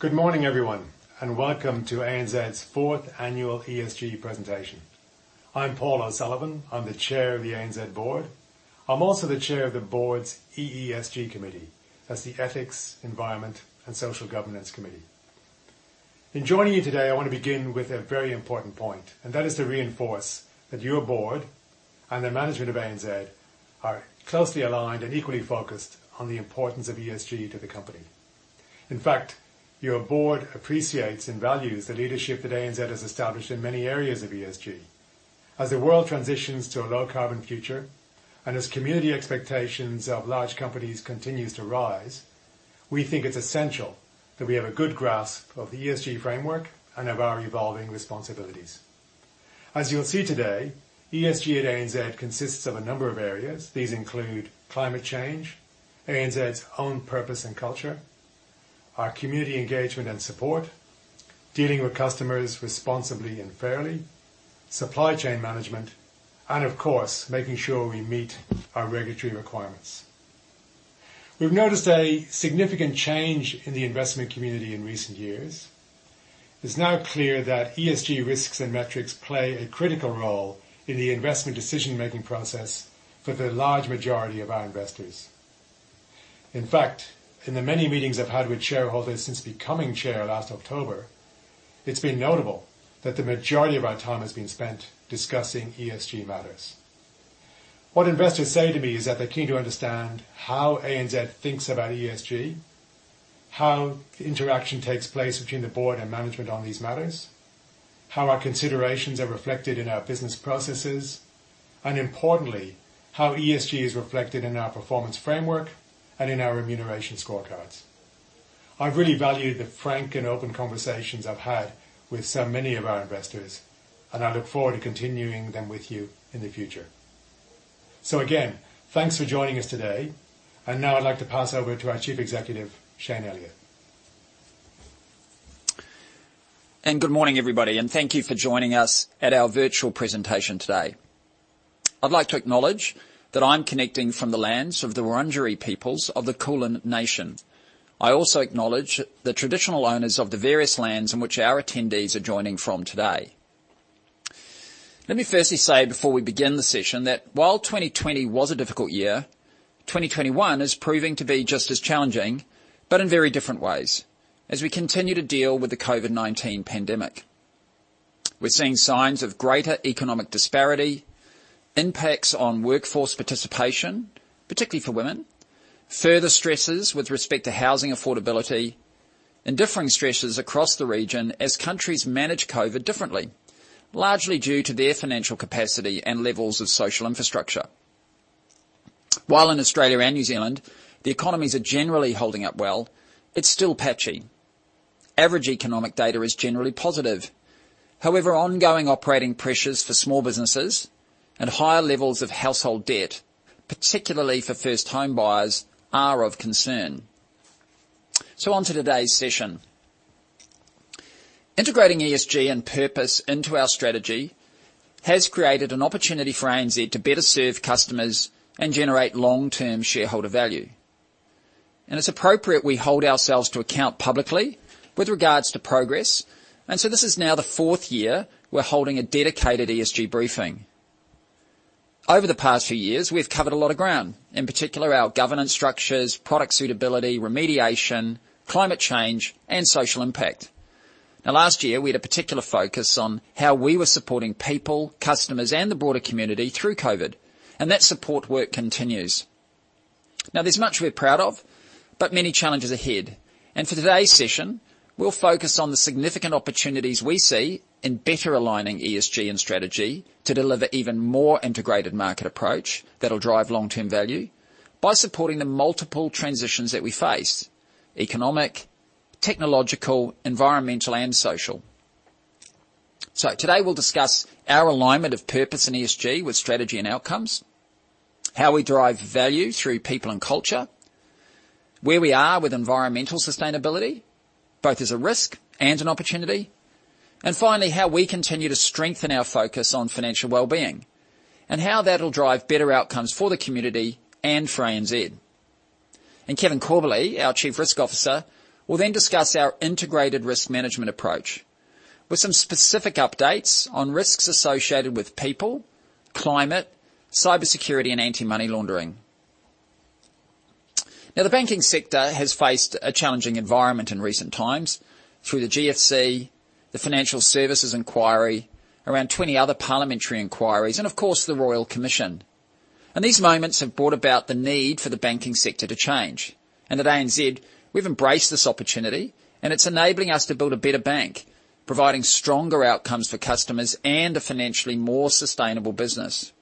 Good morning, everyone, welcome to ANZ's fourth annual ESG presentation. I'm Paul O'Sullivan. I'm the chair of the ANZ board. I'm also the chair of the board's EESG committee. That's the Ethics, Environment, and Social Governance committee. In joining you today, I want to begin with a very important point, that is to reinforce that your board and the management of ANZ are closely aligned and equally focused on the importance of ESG to the company. In fact, your board appreciates and values the leadership that ANZ has established in many areas of ESG. As the world transitions to a low-carbon future, as community expectations of large companies continues to rise, we think it's essential that we have a good grasp of the ESG framework and of our evolving responsibilities. As you'll see today, ESG at ANZ consists of a number of areas. These include climate change, ANZ's own purpose and culture, our community engagement and support, dealing with customers responsibly and fairly, supply chain management, and of course, making sure we meet our regulatory requirements. We've noticed a significant change in the investment community in recent years. It's now clear that ESG risks and metrics play a critical role in the investment decision-making process for the large majority of our investors. In fact, in the many meetings I've had with shareholders since becoming chair last October, it's been notable that the majority of our time has been spent discussing ESG matters. What investors say to me is that they're keen to understand how ANZ thinks about ESG, how the interaction takes place between the board and management on these matters, how our considerations are reflected in our business processes, and importantly, how ESG is reflected in our performance framework and in our remuneration scorecards. I've really valued the frank and open conversations I've had with so many of our investors, and I look forward to continuing them with you in the future. Again, thanks for joining us today. Now I'd like to pass over to our Chief Executive, Shayne Elliott. Good morning, everybody, and thank you for joining us at our virtual presentation today. I'd like to acknowledge that I'm connecting from the lands of the Wurundjeri peoples of the Kulin Nation. I also acknowledge the traditional owners of the various lands in which our attendees are joining from today. Let me firstly say before we begin the session that while 2020 was a difficult year, 2021 is proving to be just as challenging, but in very different ways, as we continue to deal with the COVID-19 pandemic. We're seeing signs of greater economic disparity, impacts on workforce participation, particularly for women, further stresses with respect to housing affordability, and differing stresses across the region as countries manage COVID differently, largely due to their financial capacity and levels of social infrastructure. While in Australia and New Zealand, the economies are generally holding up well, it's still patchy. Average economic data is generally positive. Ongoing operating pressures for small businesses and higher levels of household debt, particularly for first homebuyers, are of concern. On to today's session. Integrating ESG and purpose into our strategy has created an opportunity for ANZ to better serve customers and generate long-term shareholder value. It's appropriate we hold ourselves to account publicly with regards to progress, and so this is now the fourth year we're holding a dedicated ESG briefing. Over the past few years, we've covered a lot of ground, in particular, our governance structures, product suitability, remediation, climate change, and social impact. Last year, we had a particular focus on how we were supporting people, customers, and the broader community through COVID, and that support work continues. There's much we're proud of, but many challenges ahead. For today's session, we'll focus on the significant opportunities we see in better aligning ESG and strategy to deliver even more integrated market approach that'll drive long-term value by supporting the multiple transitions that we face: economic, technological, environmental, and social. Today, we'll discuss our alignment of purpose and ESG with strategy and outcomes, how we drive value through people and culture, where we are with environmental sustainability, both as a risk and an opportunity, and finally, how we continue to strengthen our focus on financial well-being and how that'll drive better outcomes for the community and for ANZ. Kevin Corbally, our Chief Risk Officer, will then discuss our integrated risk management approach with some specific updates on risks associated with people, climate, cybersecurity, and anti-money laundering. The banking sector has faced a challenging environment in recent times through the GFC, the financial services inquiry, around 20 other parliamentary inquiries, and of course, the Royal Commission. These moments have brought about the need for the banking sector to change. At ANZ, we've embraced this opportunity, and it's enabling us to build a better bank, providing stronger outcomes for customers and a financially more sustainable business.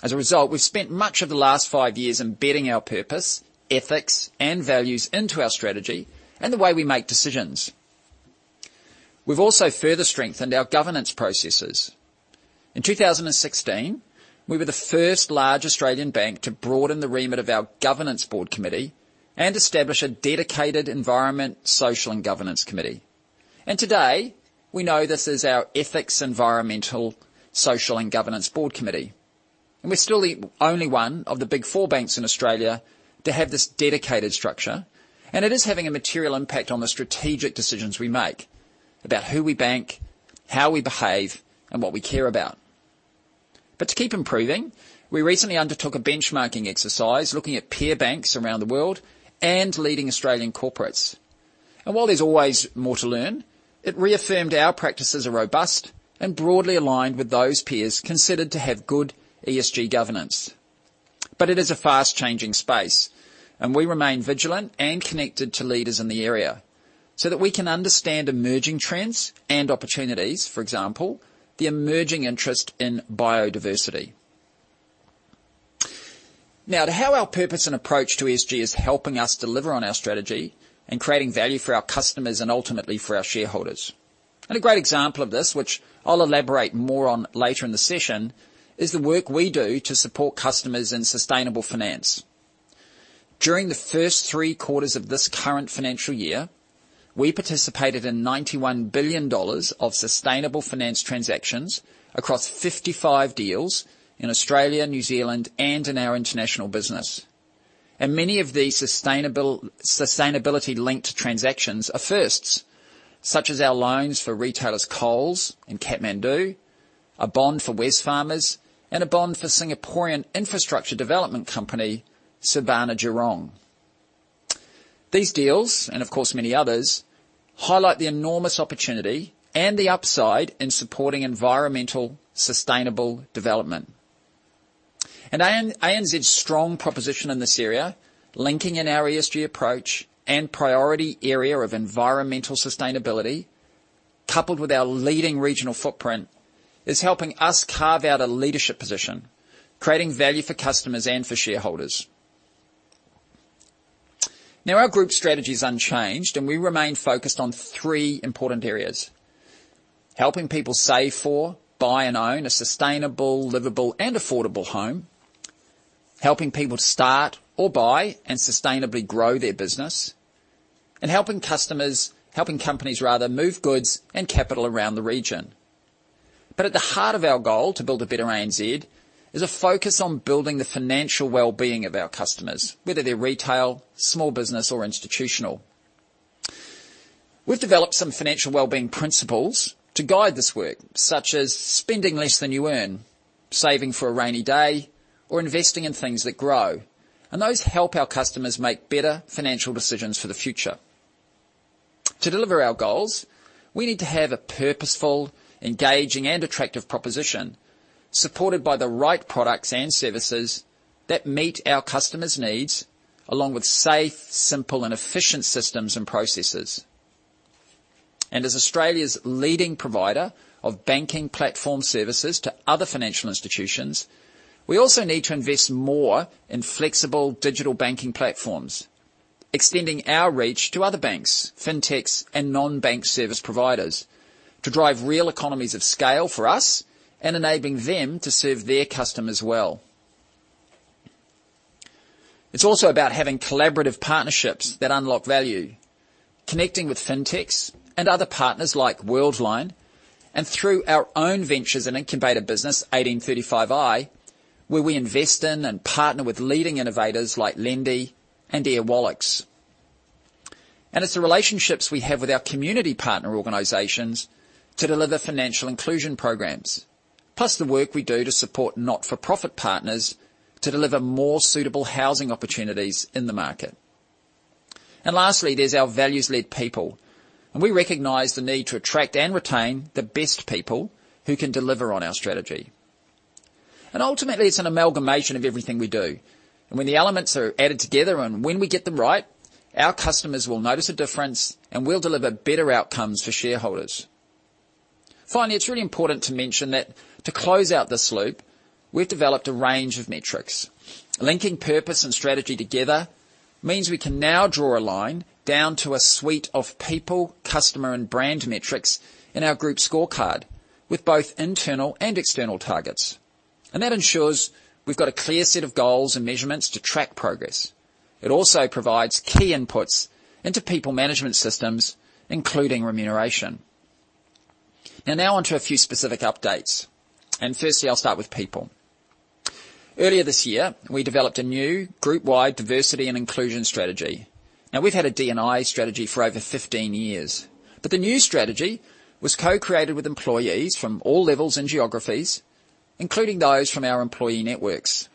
As a result, we've spent much of the last five years embedding our purpose, ethics, and values into our strategy and the way we make decisions. We've also further strengthened our governance processes. In 2016, we were the first large Australian bank to broaden the remit of our governance board committee and establish a dedicated environment, social, and governance committee. Today, we know this as our Ethics, Environmental, Social, and Governance Board Committee. We are still the only one of the big four banks in Australia to have this dedicated structure, and it is having a material impact on the strategic decisions we make about who we bank, how we behave, and what we care about. To keep improving, we recently undertook a benchmarking exercise looking at peer banks around the world and leading Australian corporates. While there is always more to learn, it reaffirmed our practices are robust and broadly aligned with those peers considered to have good ESG governance. It is a fast-changing space, and we remain vigilant and connected to leaders in the area so that we can understand emerging trends and opportunities. For example, the emerging interest in biodiversity. Now to how our purpose and approach to ESG is helping us deliver on our strategy and creating value for our customers and ultimately for our shareholders. A great example of this, which I'll elaborate more on later in the session, is the work we do to support customers in sustainable finance. During the first three quarters of this current financial year, we participated in 91 billion dollars of sustainable finance transactions across 55 deals in Australia, New Zealand, and in our international business. Many of these sustainability-linked transactions are firsts, such as our loans for retailers Coles and Kathmandu, a bond for Wesfarmers, and a bond for Singaporean infrastructure development company, Surbana Jurong. These deals, and of course many others, highlight the enormous opportunity and the upside in supporting environmental sustainable development. ANZ's strong proposition in this area, linking in our ESG approach and priority area of environmental sustainability, coupled with our leading regional footprint, is helping us carve out a leadership position, creating value for customers and for shareholders. Our group strategy is unchanged, and we remain focused on three important areas: helping people save for, buy, and own a sustainable, livable, and affordable home, helping people start or buy and sustainably grow their business, and helping companies move goods and capital around the region. At the heart of our goal to build a better ANZ is a focus on building the financial well-being of our customers, whether they're retail, small business, or institutional. We've developed some financial well-being principles to guide this work, such as spending less than you earn, saving for a rainy day, or investing in things that grow. Those help our customers make better financial decisions for the future. To deliver our goals, we need to have a purposeful, engaging, and attractive proposition supported by the right products and services that meet our customers' needs, along with safe, simple, and efficient systems and processes. As Australia's leading provider of banking platform services to other financial institutions, we also need to invest more in flexible digital banking platforms, extending our reach to other banks, fintechs, and non-bank service providers to drive real economies of scale for us and enabling them to serve their customers well. It's also about having collaborative partnerships that unlock value, connecting with fintechs and other partners like Worldline, and through our own ventures and incubator business, 1835i, where we invest in and partner with leading innovators like Lendi and Airwallex. It's the relationships we have with our community partner organizations to deliver financial inclusion programs, plus the work we do to support not-for-profit partners to deliver more suitable housing opportunities in the market. Lastly, there's our values-led people. We recognize the need to attract and retain the best people who can deliver on our strategy. Ultimately, it's an amalgamation of everything we do. When the elements are added together and when we get them right, our customers will notice a difference, and we'll deliver better outcomes for shareholders. Finally, it's really important to mention that to close out this loop, we've developed a range of metrics. Linking purpose and strategy together means we can now draw a line down to a suite of people, customer, and brand metrics in our group scorecard with both internal and external targets. That ensures we've got a clear set of goals and measurements to track progress. It also provides key inputs into people management systems, including remuneration. Now on to a few specific updates, firstly, I'll start with people. Earlier this year, we developed a new group-wide diversity and inclusion strategy. Now, we've had a D&I strategy for over 15 years. The new strategy was co-created with employees from all levels and geographies, including those from our employee networks.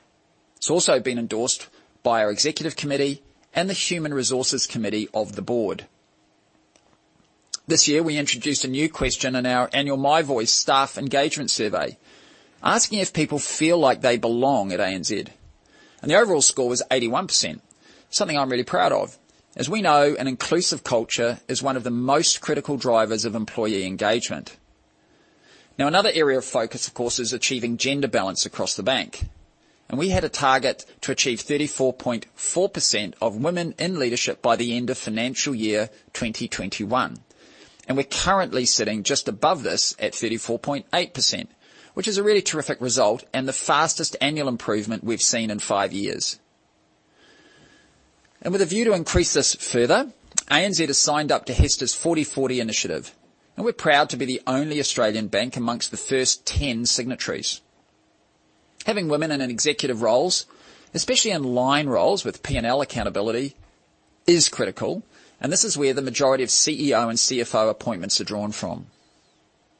It's also been endorsed by our executive committee and the human resources committee of the board. This year, we introduced a new question in our annual My Voice staff engagement survey, asking if people feel like they belong at ANZ. The overall score was 81%, something I'm really proud of. As we know, an inclusive culture is one of the most critical drivers of employee engagement. Another area of focus, of course, is achieving gender balance across the bank. We had a target to achieve 34.4% of women in leadership by the end of financial year 2021. We are currently sitting just above this at 34.8%, which is a really terrific result and the fastest annual improvement we have seen in five years. With a view to increase this further, ANZ has signed up to HESTA's 40/40 initiative, and we are proud to be the only Australian bank amongst the first 10 signatories. Having women in executive roles, especially in line roles with P&L accountability, is critical, and this is where the majority of CEO and CFO appointments are drawn from.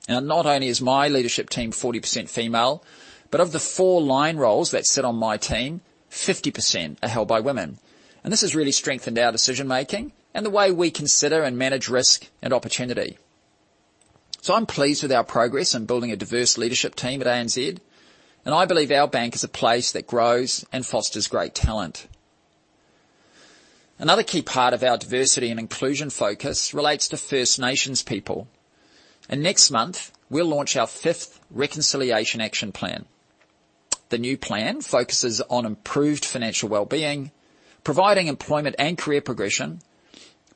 Not only is my leadership team 40% female, but of the four line roles that sit on my team, 50% are held by women. This has really strengthened our decision-making and the way we consider and manage risk and opportunity. I'm pleased with our progress in building a diverse leadership team at ANZ, and I believe our bank is a place that grows and fosters great talent. Another key part of our diversity and inclusion focus relates to First Nations people. Next month, we'll launch our fifth Reconciliation Action Plan. The new plan focuses on improved financial wellbeing, providing employment and career progression,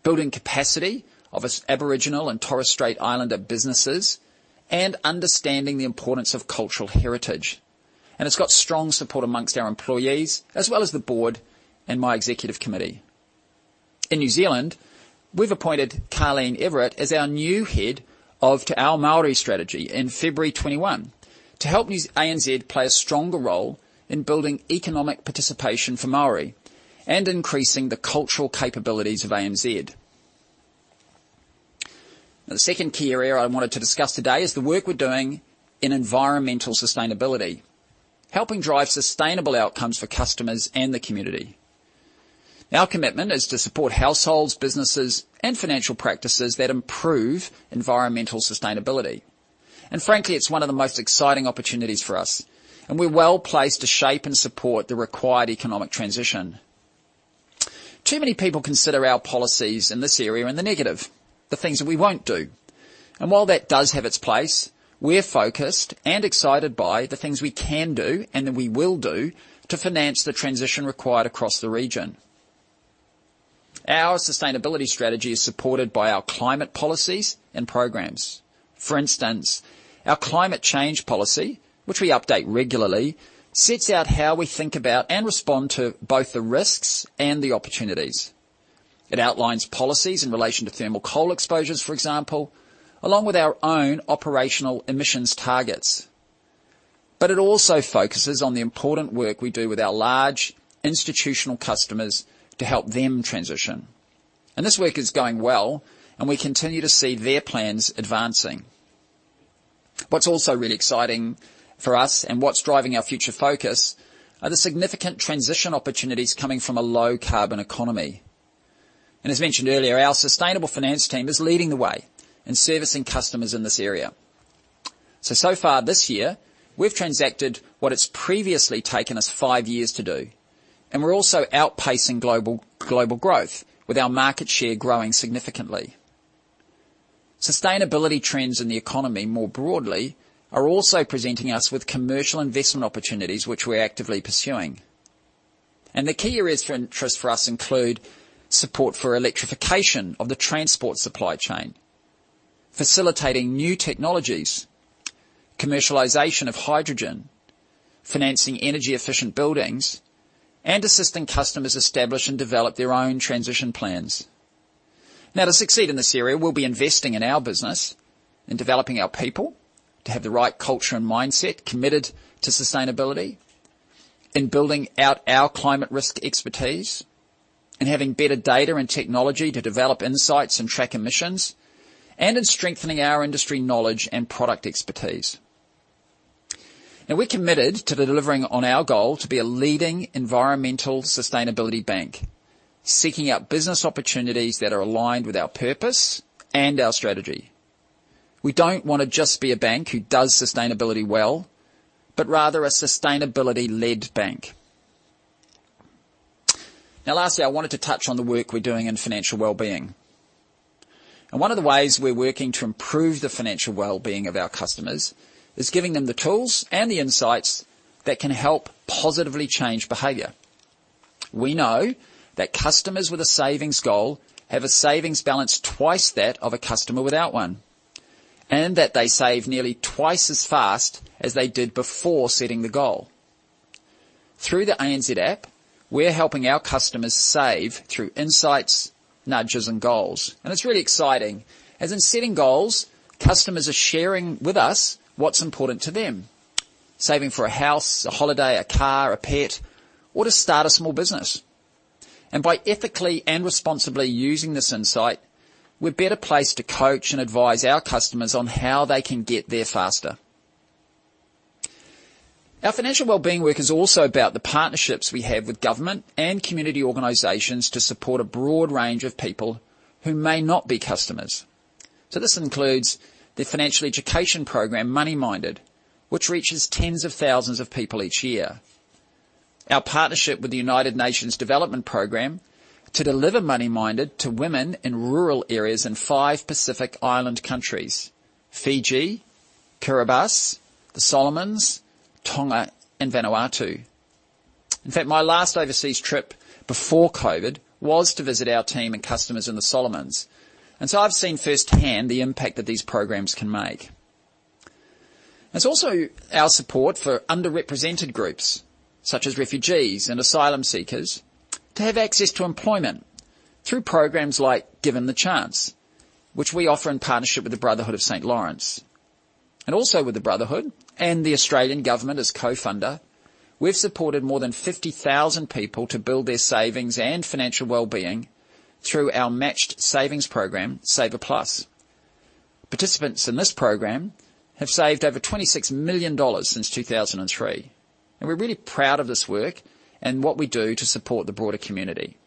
building capacity of its Aboriginal and Torres Strait Islander businesses, and understanding the importance of cultural heritage. It's got strong support amongst our employees, as well as the board and my executive committee. In New Zealand, we've appointed Karleen Everitt as our new head of our Maori strategy in February 2021 to help ANZ play a stronger role in building economic participation for Maori and increasing the cultural capabilities of ANZ. The second key area I wanted to discuss today is the work we're doing in environmental sustainability, helping drive sustainable outcomes for customers and the community. Our commitment is to support households, businesses, and financial practices that improve environmental sustainability. Frankly, it's one of the most exciting opportunities for us, and we're well-placed to shape and support the required economic transition. Too many people consider our policies in this area in the negative, the things that we won't do. While that does have its place, we're focused and excited by the things we can do and that we will do to finance the transition required across the region. Our sustainability strategy is supported by our climate policies and programs. For instance, our climate change policy, which we update regularly, sets out how we think about and respond to both the risks and the opportunities. It outlines policies in relation to thermal coal exposures, for example, along with our own operational emissions targets. It also focuses on the important work we do with our large institutional customers to help them transition. This work is going well, and we continue to see their plans advancing. What's also really exciting for us and what's driving our future focus are the significant transition opportunities coming from a low-carbon economy. As mentioned earlier, our sustainable finance team is leading the way in servicing customers in this area. So far this year, we've transacted what it's previously taken us five years to do, and we're also outpacing global growth with our market share growing significantly. Sustainability trends in the economy more broadly are also presenting us with commercial investment opportunities, which we're actively pursuing. The key areas for interest for us include support for electrification of the transport supply chain, facilitating new technologies, commercialization of hydrogen, financing energy-efficient buildings, and assisting customers establish and develop their own transition plans. To succeed in this area, we'll be investing in our business, in developing our people to have the right culture and mindset committed to sustainability, in building out our climate risk expertise, in having better data and technology to develop insights and track emissions, and in strengthening our industry knowledge and product expertise. We're committed to delivering on our goal to be a leading environmental sustainability bank, seeking out business opportunities that are aligned with our purpose and our strategy. We don't want to just be a bank who does sustainability well, but rather a sustainability-led bank. Lastly, I wanted to touch on the work we're doing in financial wellbeing. One of the ways we're working to improve the financial wellbeing of our customers is giving them the tools and the insights that can help positively change behavior. We know that customers with a savings goal have a savings balance twice that of a customer without one, and that they save nearly twice as fast as they did before setting the goal. Through the ANZ app, we're helping our customers save through insights, nudges, and goals. It's really exciting, as in setting goals, customers are sharing with us what's important to them. Saving for a house, a holiday, a car, a pet, or to start a small business. By ethically and responsibly using this insight, we're better placed to coach and advise our customers on how they can get there faster. Our financial wellbeing work is also about the partnerships we have with government and community organizations to support a broad range of people who may not be customers. This includes the financial education program, MoneyMinded, which reaches tens of thousands of people each year. Our partnership with the United Nations Development Programme to deliver MoneyMinded to women in rural areas in five Pacific Island countries, Fiji, Kiribati, the Solomons, Tonga, and Vanuatu. In fact, my last overseas trip before COVID-19 was to visit our team and customers in the Solomons, and so I've seen firsthand the impact that these programs can make. It's also our support for underrepresented groups, such as refugees and asylum seekers, to have access to employment through programs like Given the Chance, which we offer in partnership with the Brotherhood of St Laurence. Also with the Brotherhood and the Australian government as co-funder, we've supported more than 50,000 people to build their savings and financial well-being through our matched savings program, Saver Plus. Participants in this program have saved over 26 million dollars since 2003, and we're really proud of this work and what we do to support the broader community.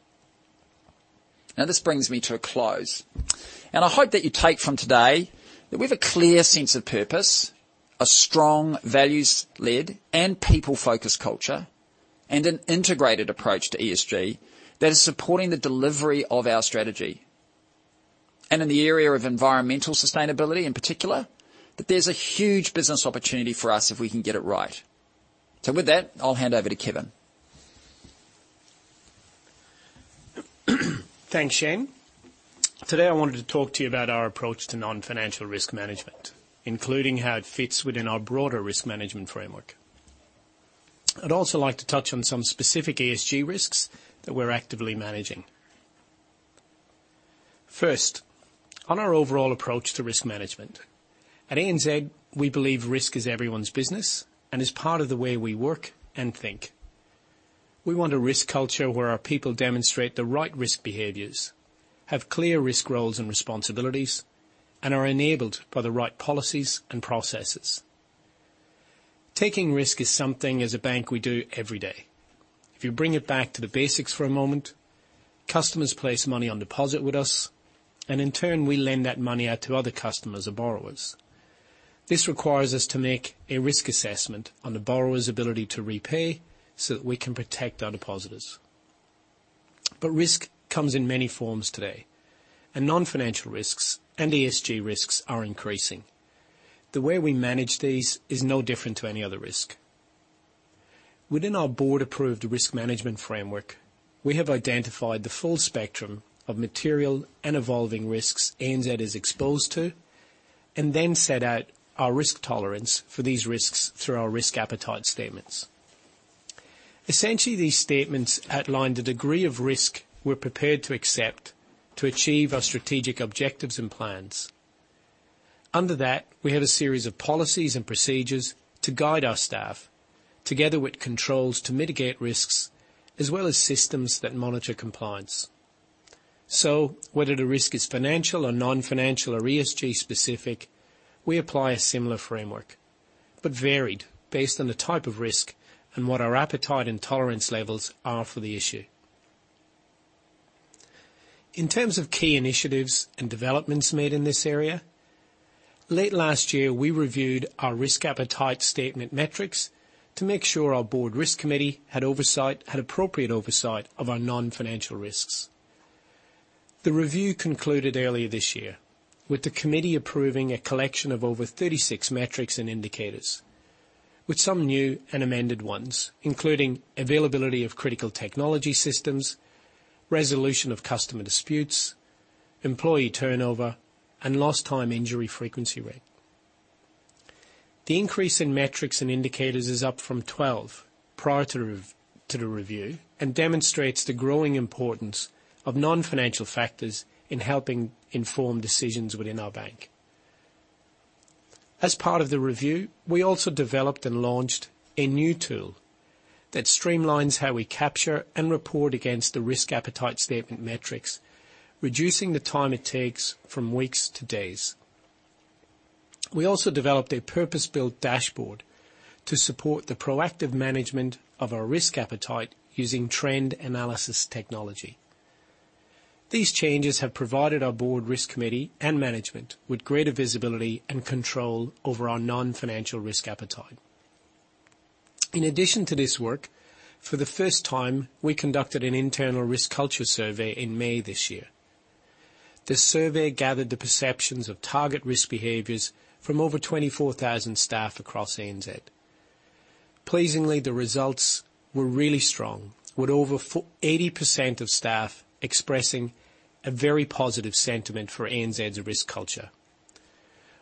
This brings me to a close, and I hope that you take from today that we've a clear sense of purpose, a strong values-led and people-focused culture, and an integrated approach to ESG that is supporting the delivery of our strategy. In the area of environmental sustainability in particular, that there's a huge business opportunity for us if we can get it right. With that, I'll hand over to Kevin. Thanks, Shayne. Today, I wanted to talk to you about our approach to non-financial risk management, including how it fits within our broader risk management framework. I'd also like to touch on some specific ESG risks that we're actively managing. First, on our overall approach to risk management. At ANZ, we believe risk is everyone's business and is part of the way we work and think. We want a risk culture where our people demonstrate the right risk behaviors, have clear risk roles and responsibilities, and are enabled by the right policies and processes. Taking risk is something, as a bank, we do every day. If you bring it back to the basics for a moment, customers place money on deposit with us, and in turn, we lend that money out to other customers or borrowers. This requires us to make a risk assessment on the borrower's ability to repay so that we can protect our depositors. Risk comes in many forms today, and non-financial risks and ESG risks are increasing. The way we manage these is no different to any other risk. Within our board-approved risk management framework, we have identified the full spectrum of material and evolving risks ANZ is exposed to and then set out our risk tolerance for these risks through our risk appetite statements. Essentially, these statements outline the degree of risk we're prepared to accept to achieve our strategic objectives and plans. Under that, we have a series of policies and procedures to guide our staff, together with controls to mitigate risks, as well as systems that monitor compliance. Whether the risk is financial or non-financial or ESG specific, we apply a similar framework, but varied based on the type of risk and what our appetite and tolerance levels are for the issue. In terms of key initiatives and developments made in this area, late last year, we reviewed our risk appetite statement metrics to make sure our board risk committee had appropriate oversight of our non-financial risks. The review concluded earlier this year with the committee approving a collection of over 36 metrics and indicators, with some new and amended ones, including availability of critical technology systems, resolution of customer disputes, employee turnover, and lost time injury frequency rate. The increase in metrics and indicators is up from 12 prior to the review and demonstrates the growing importance of non-financial factors in helping inform decisions within our bank. As part of the review, we also developed and launched a new tool that streamlines how we capture and report against the risk appetite statement metrics, reducing the time it takes from weeks to days. We also developed a purpose-built dashboard to support the proactive management of our risk appetite using trend analysis technology. These changes have provided our board risk committee and management with greater visibility and control over our non-financial risk appetite. In addition to this work, for the first time, we conducted an internal risk culture survey in May this year. The survey gathered the perceptions of target risk behaviors from over 24,000 staff across ANZ. Pleasingly, the results were really strong, with over 80% of staff expressing a very positive sentiment for ANZ's risk culture.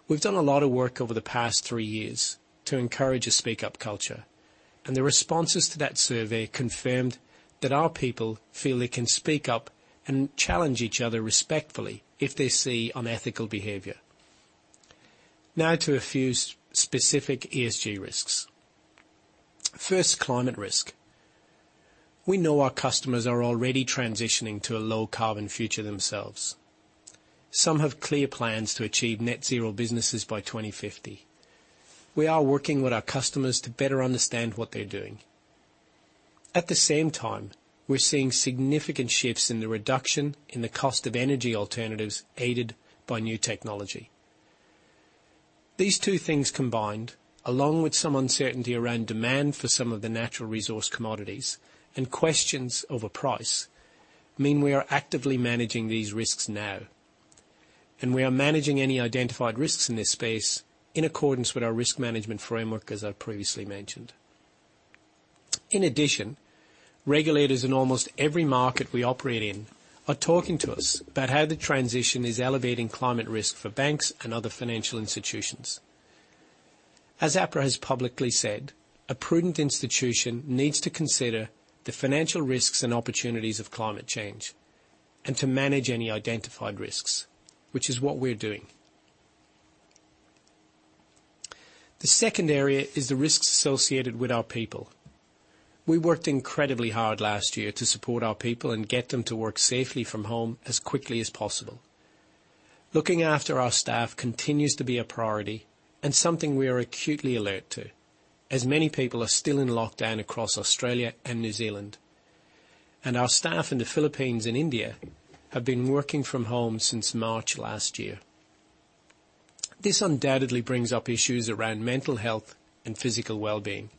We've done a lot of work over the past three years to encourage a speak-up culture, and the responses to that survey confirmed that our people feel they can speak up and challenge each other respectfully if they see unethical behavior. Now to a few specific ESG risks. First, climate risk. We know our customers are already transitioning to a low carbon future themselves. Some have clear plans to achieve net zero businesses by 2050. We are working with our customers to better understand what they're doing. At the same time, we're seeing significant shifts in the reduction in the cost of energy alternatives aided by new technology. These two things combined, along with some uncertainty around demand for some of the natural resource commodities and questions over price, mean we are actively managing these risks now, and we are managing any identified risks in this space in accordance with our risk management framework, as I previously mentioned. In addition, regulators in almost every market we operate in are talking to us about how the transition is elevating climate risk for banks and other financial institutions. As APRA has publicly said, a prudent institution needs to consider the financial risks and opportunities of climate change and to manage any identified risks, which is what we're doing. The second area is the risks associated with our people. We worked incredibly hard last year to support our people and get them to work safely from home as quickly as possible. Looking after our staff continues to be a priority and something we are acutely alert to, as many people are still in lockdown across Australia and New Zealand. Our staff in the Philippines and India have been working from home since March last year. This undoubtedly brings up issues around mental health and physical wellbeing,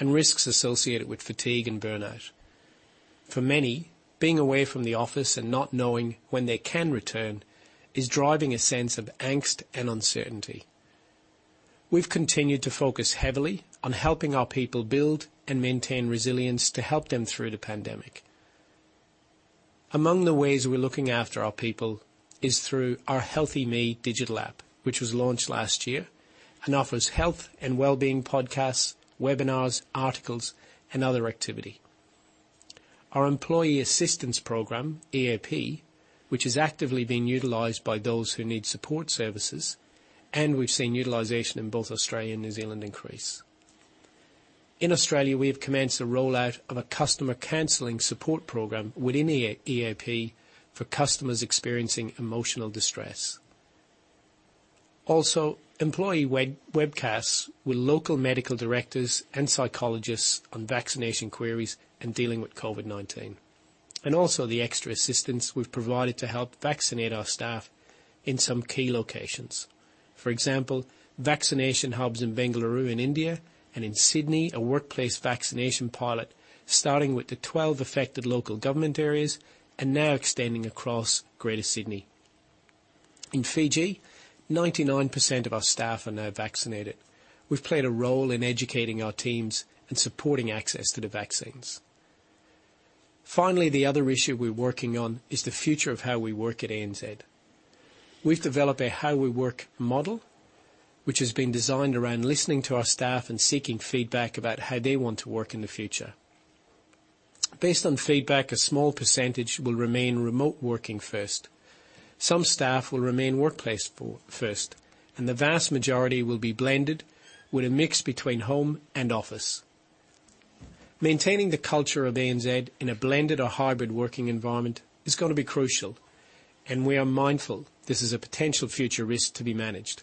and risks associated with fatigue and burnout. For many, being away from the office and not knowing when they can return is driving a sense of angst and uncertainty. We've continued to focus heavily on helping our people build and maintain resilience to help them through the pandemic. Among the ways we're looking after our people is through our Healthy Me digital app, which was launched last year and offers health and wellbeing podcasts, webinars, articles, and other activity. Our Employee Assistance Program, EAP, which is actively being utilized by those who need support services, and we've seen utilization in both Australia and New Zealand increase. In Australia, we have commenced a rollout of a customer counseling support program within EAP for customers experiencing emotional distress. Employee webcasts with local medical directors and psychologists on vaccination queries and dealing with COVID-19, and also the extra assistance we've provided to help vaccinate our staff in some key locations. For example, vaccination hubs in Bengaluru in India, and in Sydney, a workplace vaccination pilot, starting with the 12 affected local government areas and now extending across Greater Sydney. In Fiji, 99% of our staff are now vaccinated. We've played a role in educating our teams and supporting access to the vaccines. The other issue we're working on is the future of how we work at ANZ. We've developed a how we work model, which has been designed around listening to our staff and seeking feedback about how they want to work in the future. Based on feedback, a small percentage will remain remote working first. Some staff will remain workplace first, and the vast majority will be blended with a mix between home and office. Maintaining the culture of ANZ in a blended or hybrid working environment is going to be crucial, and we are mindful this is a potential future risk to be managed.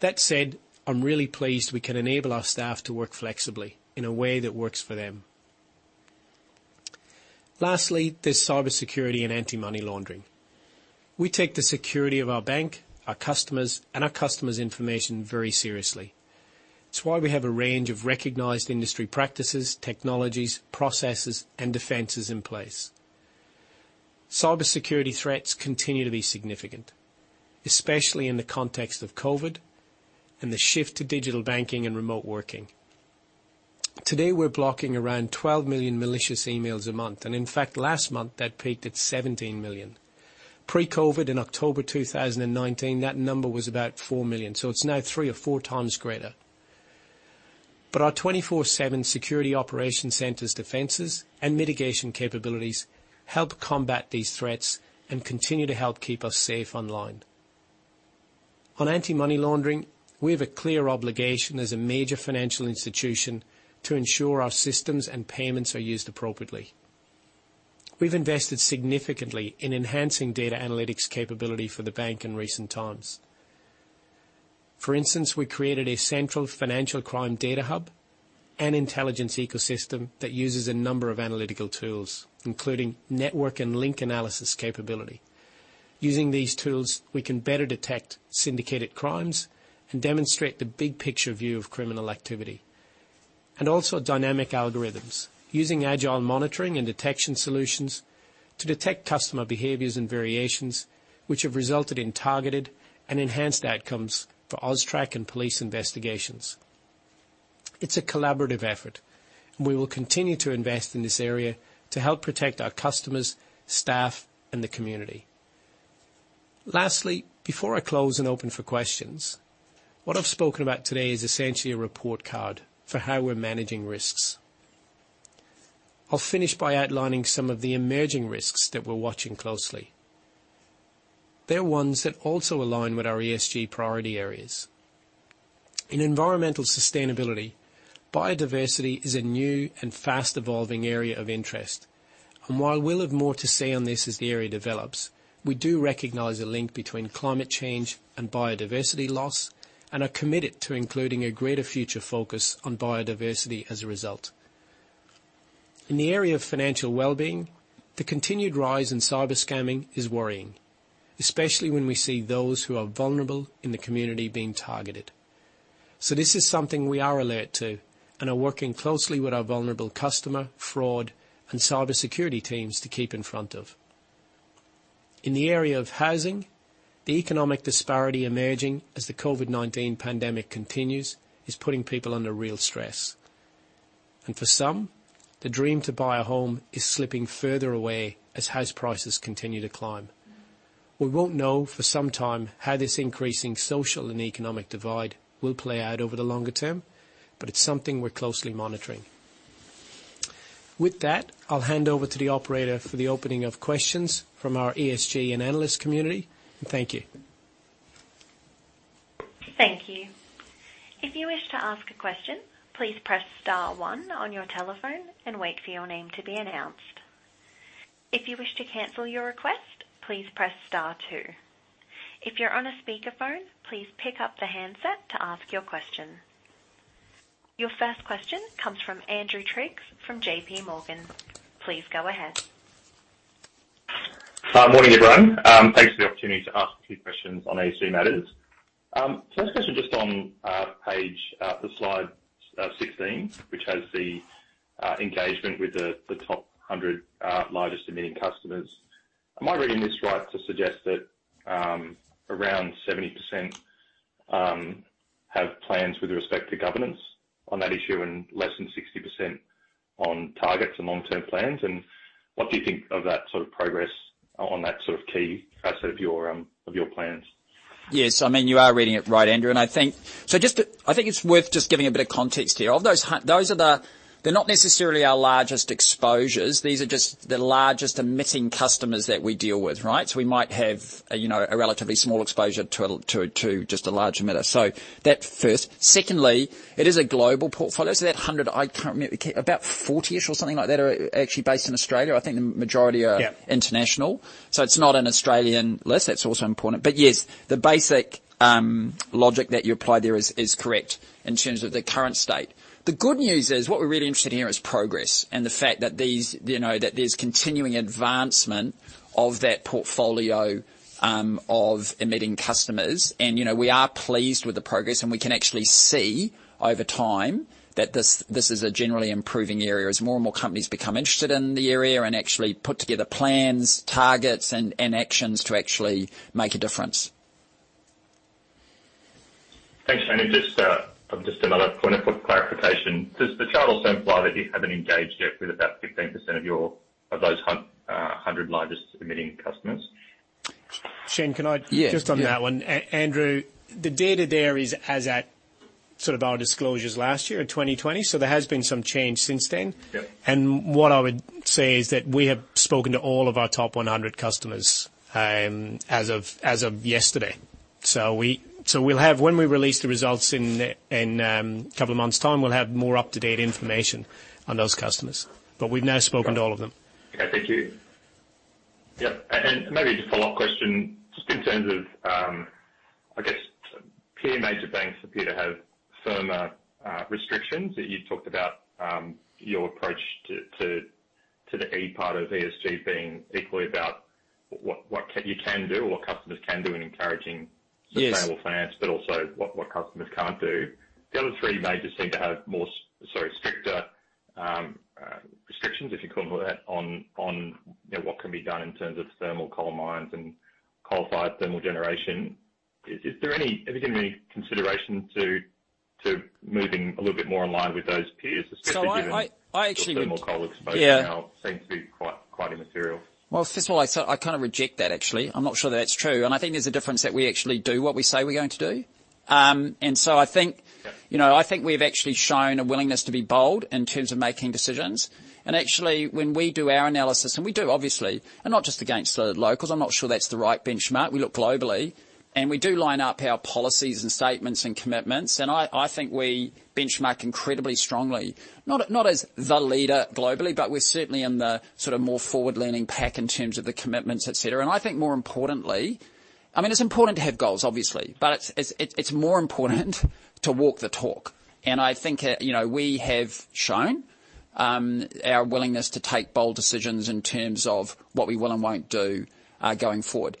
That said, I'm really pleased we can enable our staff to work flexibly in a way that works for them. Lastly, there's cybersecurity and anti-money laundering. We take the security of our bank, our customers, and our customers' information very seriously. It's why we have a range of recognized industry practices, technologies, processes, and defenses in place. Cybersecurity threats continue to be significant, especially in the context of COVID-19 and the shift to digital banking and remote working. Today, we're blocking around 12 million malicious emails a month. In fact, last month, that peaked at 17 million. Pre-COVID-19, in October 2019, that number was about 4 million. It's now 3x or 4x greater. Our 24/7 security operation center's defenses and mitigation capabilities help combat these threats and continue to help keep us safe online. On anti-money laundering, we have a clear obligation as a major financial institution to ensure our systems and payments are used appropriately. We've invested significantly in enhancing data analytics capability for the bank in recent times. For instance, we created a central financial crime data hub and intelligence ecosystem that uses a number of analytical tools, including network and link analysis capability. Using these tools, we can better detect syndicated crimes and demonstrate the big-picture view of criminal activity. Also dynamic algorithms, using agile monitoring and detection solutions to detect customer behaviors and variations which have resulted in targeted and enhanced outcomes for AUSTRAC and police investigations. It's a collaborative effort, and we will continue to invest in this area to help protect our customers, staff, and the community. Lastly, before I close and open for questions, what I've spoken about today is essentially a report card for how we're managing risks. I'll finish by outlining some of the emerging risks that we're watching closely. They're ones that also align with our ESG priority areas. In environmental sustainability, biodiversity is a new and fast-evolving area of interest. While we'll have more to say on this as the area develops, we do recognize a link between climate change and biodiversity loss and are committed to including a greater future focus on biodiversity as a result. In the area of financial wellbeing, the continued rise in cyber scamming is worrying, especially when we see those who are vulnerable in the community being targeted. This is something we are alert to and are working closely with our vulnerable customer, fraud, and cybersecurity teams to keep in front of. In the area of housing, the economic disparity emerging as the COVID-19 pandemic continues is putting people under real stress. For some, the dream to buy a home is slipping further away as house prices continue to climb. We won't know for some time how this increasing social and economic divide will play out over the longer term, but it's something we're closely monitoring. With that, I'll hand over to the operator for the opening of questions from our ESG and analyst community. Thank you. Thank you. If you wish to ask a question, please press star one on your telephone and wait for your name to be announced. If you wish to cancel you request, please press star two. If you're on a speakerphone, please pick up the handset to ask your question. Your first question comes from Andrew Triggs from JPMorgan. Please go ahead. Morning, everyone. Thanks for the opportunity to ask a few questions on ESG matters. First question just on page, the slide 16, which has the engagement with the top 100 largest emitting customers. Am I reading this right to suggest that around 70% have plans with respect to governance on that issue and less than 60% on targets and long-term plans? What do you think of that sort of progress on that sort of key facet of your plans? Yes, you are reading it right, Andrew. I think it's worth just giving a bit of context here. They're not necessarily our largest exposures. These are just the largest emitting customers that we deal with, right? We might have a relatively small exposure to just a large emitter. That first. Secondly, it is a global portfolio. That 100, I can't remember, about 40-ish or something like that, are actually based in Australia. I think the majority are international. It's not an Australian list, that's also important. Yes, the basic logic that you applied there is correct in terms of the current state. The good news is, what we're really interested in here is progress, and the fact that there's continuing advancement of that portfolio of emitting customers. We are pleased with the progress, and we can actually see over time that this is a generally improving area as more and more companies become interested in the area and actually put together plans, targets, and actions to actually make a difference. Thanks, Shayne. Just another point of clarification. Does the chart also imply that you haven't engaged yet with about 15% of those 100 largest emitting customers? Shayne, just on that one. Andrew, the data there is as at sort of our disclosures last year in 2020. There has been some change since then. Yep. What I would say is that we have spoken to all of our top 100 customers as of yesterday. When we release the results in a couple of months' time, we'll have more up-to-date information on those customers, but we've now spoken to all of them. Okay, thank you. Yep. Maybe just a follow-up question, just in terms of, I guess peer major banks appear to have firmer restrictions. You talked about your approach to the E part of ESG being equally about what you can do or what customers can do in encouraging sustainable finance, but also what customers can't do. The other three majors seem to have more, sorry, stricter, restrictions, if you call them that, on what can be done in terms of thermal coal mines and coal-fired thermal generation. Have you given any consideration to moving a little bit more in line with those peers your thermal coal exposure now seems to be quite immaterial. Well, first of all, I kind of reject that, actually. I'm not sure that's true. I think there's a difference that we actually do what we say we're going to do. I think we've actually shown a willingness to be bold in terms of making decisions. Actually, when we do our analysis, and we do obviously, and not just against the locals, I'm not sure that's the right benchmark. We look globally, we do line up our policies and statements and commitments, I think we benchmark incredibly strongly, not as the leader globally, but we're certainly in the sort of more forward-leaning pack in terms of the commitments, et cetera. I think more importantly, it's important to have goals, obviously, but it's more important to walk the talk. I think we have shown our willingness to take bold decisions in terms of what we will and won't do going forward.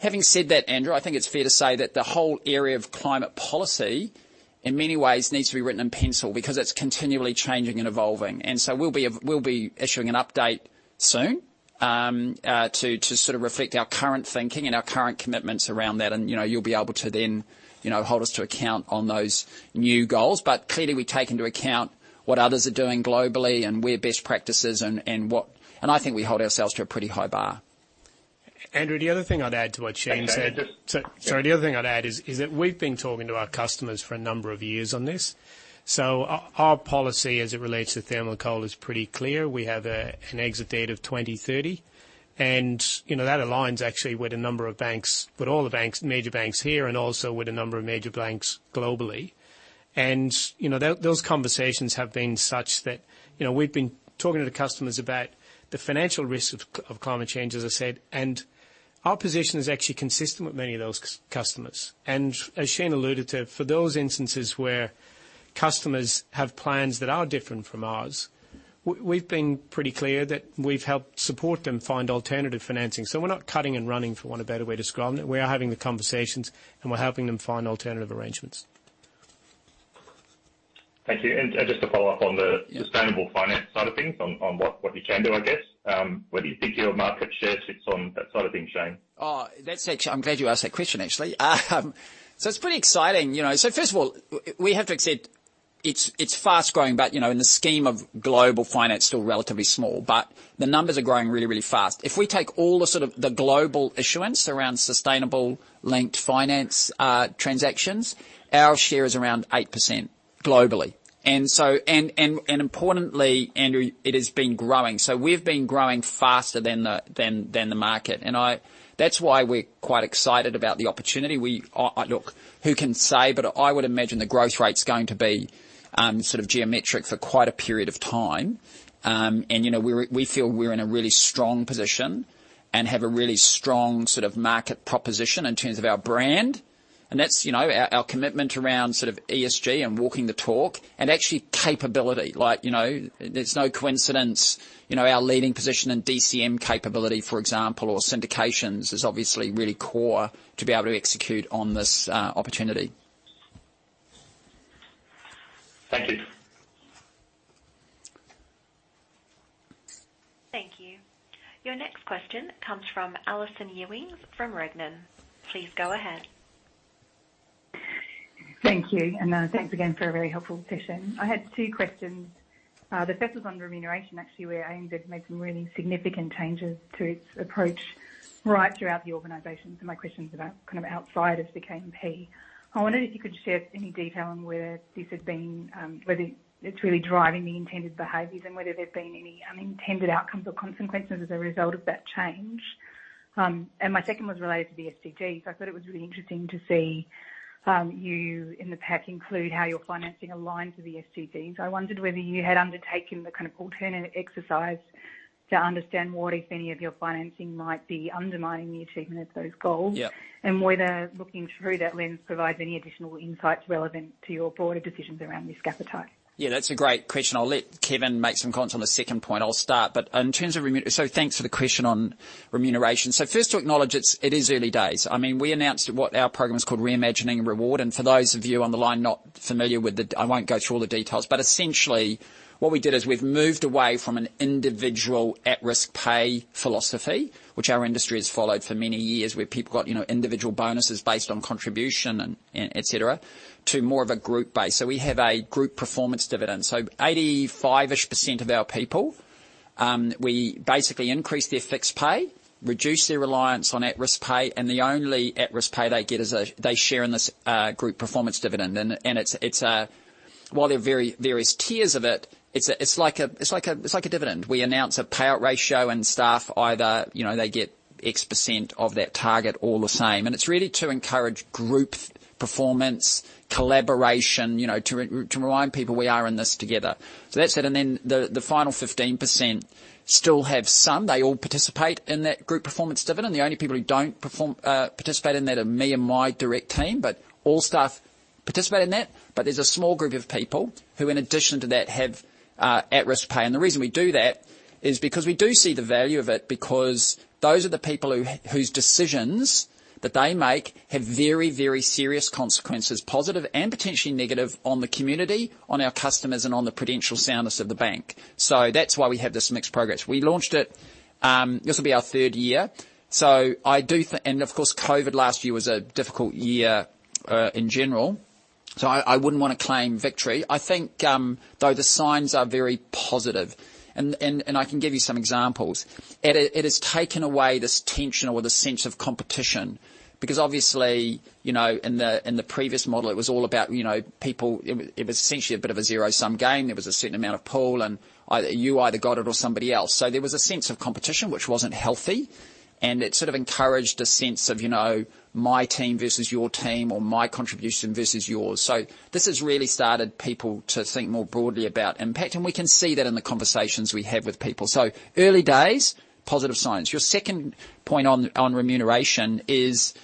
Having said that, Andrew, I think it's fair to say that the whole area of climate policy, in many ways, needs to be written in pencil because it's continually changing and evolving. We'll be issuing an update soon, to sort of reflect our current thinking and our current commitments around that. You'll be able to then hold us to account on those new goals. Clearly, we take into account what others are doing globally and where best practice is, and I think we hold ourselves to a pretty high bar. Andrew, the other thing I'd add to what Shayne said. The other thing I'd add is that we've been talking to our customers for a number of years on this. Our policy as it relates to thermal coal is pretty clear. We have an exit date of 2030, that aligns actually with a number of banks, with all the major banks here, and also with a number of major banks globally. Those conversations have been such that we've been talking to the customers about the financial risks of climate change, as I said. Our position is actually consistent with many of those customers. As Shayne alluded to, for those instances where customers have plans that are different from ours, we've been pretty clear that we've helped support them find alternative financing. We're not cutting and running, for want of a better way to describe it. We are having the conversations, and we're helping them find alternative arrangements. Thank you. Just to follow up on the sustainable finance side of things, on what you can do, I guess. Where do you think your market share sits on that side of things, Shayne? Oh, I'm glad you asked that question, actually. It's pretty exciting. First of all, we have to accept it's fast-growing, but in the scheme of global finance, still relatively small, but the numbers are growing really fast. If we take all the sort of the global issuance around sustainable linked finance transactions, our share is around 8% globally. Importantly, Andrew, it has been growing. We've been growing faster than the market. That's why we're quite excited about the opportunity. Look, who can say, but I would imagine the growth rate's going to be sort of geometric for quite a period of time. We feel we're in a really strong position and have a really strong sort of market proposition in terms of our brand. That's our commitment around sort of ESG and walking the talk, and actually capability. There's no coincidence, our leading position in DCM capability, for example, or syndications, is obviously really core to be able to execute on this opportunity. Thank you. Thank you. Your next question comes from Alison Ewings from Regnan. Please go ahead. Thank you. Thanks again for a very helpful session. I had two questions. The first was on remuneration, actually, where ANZ made some really significant changes to its approach right throughout the organization. My question's about kind of outside of the KMP. I wondered if you could share any detail on whether it's really driving the intended behaviors and whether there's been any unintended outcomes or consequences as a result of that change. My second was related to the SDGs. I thought it was really interesting to see you in the pack include how your financing aligns with the SDGs. I wondered whether you had undertaken the kind of alternative exercise to understand what, if any, of your financing might be undermining the achievement of those goals. Yeah. Whether looking through that lens provides any additional insights relevant to your broader decisions around risk appetite. That's a great question. I'll let Kevin make some comments on the second point. I'll start. Thanks for the question on remuneration. First to acknowledge, it is early days. We announced what our program is called Reimagining Reward, and for those of you on the line not familiar with it, I won't go through all the details, but essentially what we did is we've moved away from an individual at-risk pay philosophy, which our industry has followed for many years, where people got individual bonuses based on contribution, et cetera, to more of a group base. We have a group performance dividend. 85%-ish of our people, we basically increase their fixed pay, reduce their reliance on at-risk pay, and the only at-risk pay they get is they share in this group performance dividend. While there are various tiers of it's like a dividend. We announce a payout ratio, staff, they get X% of that target all the same. It's really to encourage group performance, collaboration, to remind people we are in this together. That's it. Then the final 15% still have some. They all participate in that group performance dividend. The only people who don't participate in that are me and my direct team. All staff participate in that. There's a small group of people who, in addition to that, have at-risk pay. The reason we do that is because we do see the value of it, because those are the people whose decisions that they make have very serious consequences, positive and potentially negative, on the community, on our customers, and on the prudential soundness of the bank. That's why we have this mixed progress. We launched it, this will be our third year. Of course, COVID last year was a difficult year in general, so I wouldn't want to claim victory. I think, though the signs are very positive, and I can give you some examples. It has taken away this tension or the sense of competition, because obviously, in the previous model, it was all about people. It was essentially a bit of a zero-sum game. There was a certain amount of pool, and you either got it or somebody else. There was a sense of competition, which wasn't healthy, and it sort of encouraged a sense of my team versus your team or my contribution versus yours. This has really started people to think more broadly about impact, and we can see that in the conversations we have with people. Early days, positive signs. Your second point on remuneration is,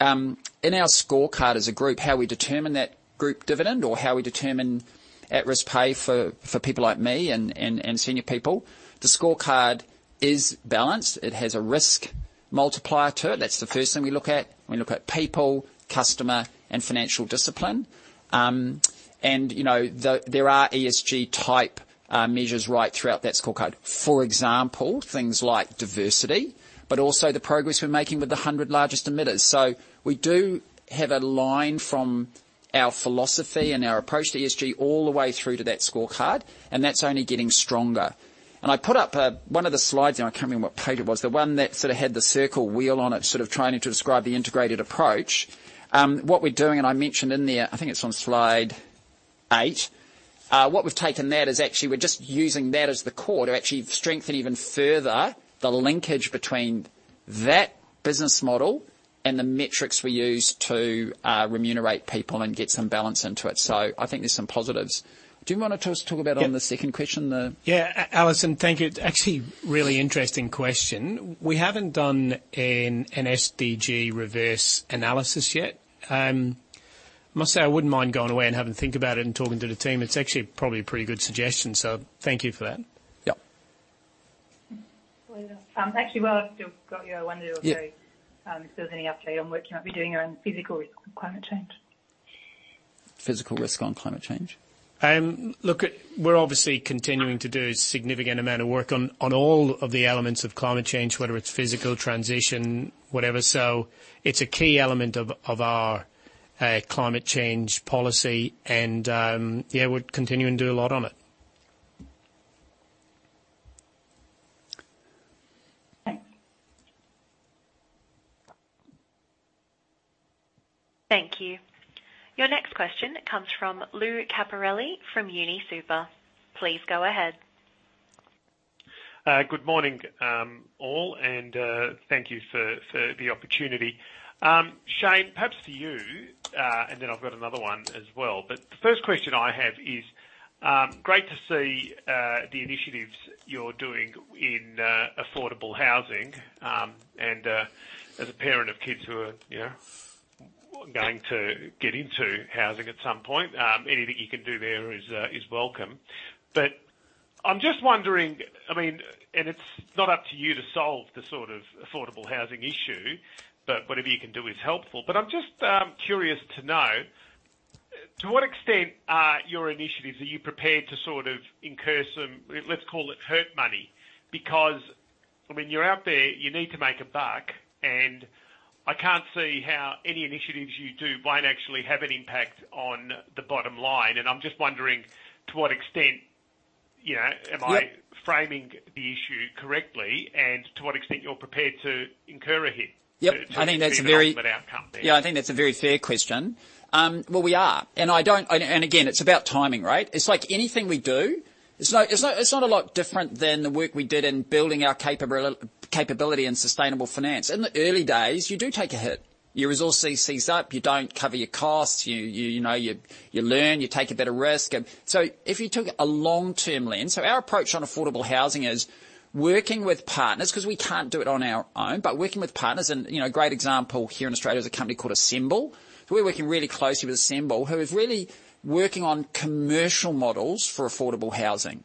in our scorecard as a group, how we determine that group dividend or how we determine at-risk pay for people like me and senior people. The scorecard is balanced. It has a risk multiplier to it. That's the first thing we look at. We look at people, customer, and financial discipline. There are ESG type measures right throughout that scorecard. For example, things like diversity, but also the progress we're making with the 100 largest emitters. We do have a line from our philosophy and our approach to ESG all the way through to that scorecard, and that's only getting stronger. I put up one of the slides, I can't remember what page it was, the one that sort of had the circle wheel on it, sort of trying to describe the integrated approach. What we're doing, and I mentioned in there, I think it's on slide eight. What we've taken that is actually we're just using that as the core to actually strengthen even further the linkage between that business model and the metrics we use to remunerate people and get some balance into it. I think there's some positives. Do you want to talk about on the second question. Yeah. Alison, thank you. It's actually a really interesting question. We haven't done an SDG reverse analysis yet. I must say, I wouldn't mind going away and having a think about it and talking to the team. It's actually probably a pretty good suggestion. Thank you for that. Yeah. Actually, while I've still got you, I wonder also if there was any update on work you might be doing around physical risk of climate change? Physical risk on climate change. Look, we're obviously continuing to do a significant amount of work on all of the elements of climate change, whether it's physical transition, whatever. It's a key element of our climate change policy. Yeah, we're continuing to do a lot on it. Thanks. Thank you. Your next question comes from Lou Capparelli from UniSuper. Please go ahead. Good morning all, thank you for the opportunity. Shayne, perhaps for you, then I've got another one as well. The first question I have is, great to see the initiatives you're doing in affordable housing. As a parent of kids who are going to get into housing at some point, anything you can do there is welcome. I'm just wondering, and it's not up to you to solve the sort of affordable housing issue, but whatever you can do is helpful. I'm just curious to know, to what extent are your initiatives, are you prepared to sort of incur some, let's call it hurt money? When you're out there, you need to make a buck, and I can't see how any initiatives you do won't actually have an impact on the bottom line. I'm just wondering to what extent, am I framing the issue correctly and to what extent you're prepared to incur a hit to the ultimate outcome there? Yeah, I think that's a very fair question. Well, we are. Again, it's about timing, right? It's like anything we do, it's not a lot different than the work we did in building our capability in sustainable finance. In the early days, you do take a hit. Your resources cease up. You don't cover your costs. You learn, you take a bit of risk. If you took a long-term lens, so our approach on affordable housing is working with partners, because we can't do it on our own, but working with partners and a great example here in Australia is a company called Assemble. We're working really closely with Assemble, who is really working on commercial models for affordable housing.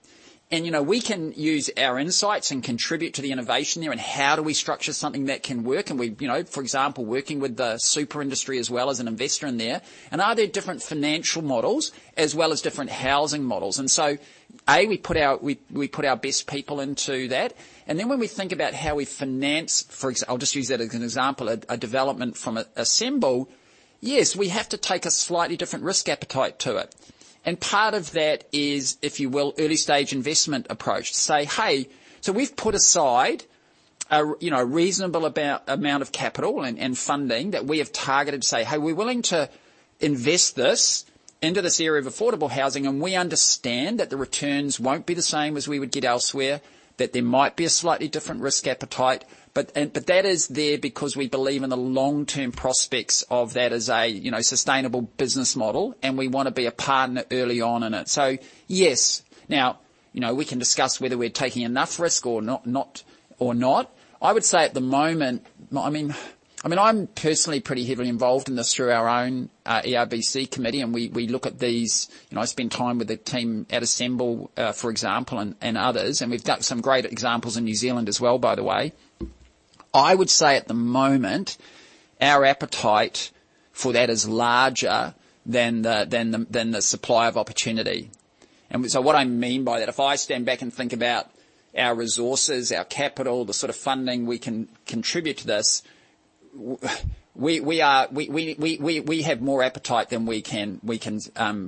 We can use our insights and contribute to the innovation there and how do we structure something that can work. For example, working with the super industry as well as an investor in there. Are there different financial models as well as different housing models? A, we put our best people into that. When we think about how we finance, I'll just use that as an example, a development from Assemble. Yes, we have to take a slightly different risk appetite to it. Part of that is, if you will, early stage investment approach to say, hey, so we've put aside a reasonable amount of capital and funding that we have targeted to say, "Hey, we're willing to invest this into this area of affordable housing, and we understand that the returns won't be the same as we would get elsewhere, that there might be a slightly different risk appetite." That is there because we believe in the long-term prospects of that as a sustainable business model, and we want to be a partner early on in it. Yes. Now, we can discuss whether we're taking enough risk or not. I would say at the moment, I'm personally pretty heavily involved in this through our own ERBC committee, and we look at these. I spend time with the team at Assemble, for example, and others, and we've got some great examples in New Zealand as well, by the way. I would say at the moment, our appetite for that is larger than the supply of opportunity. What I mean by that, if I stand back and think about our resources, our capital, the sort of funding we can contribute to this, we have more appetite than we can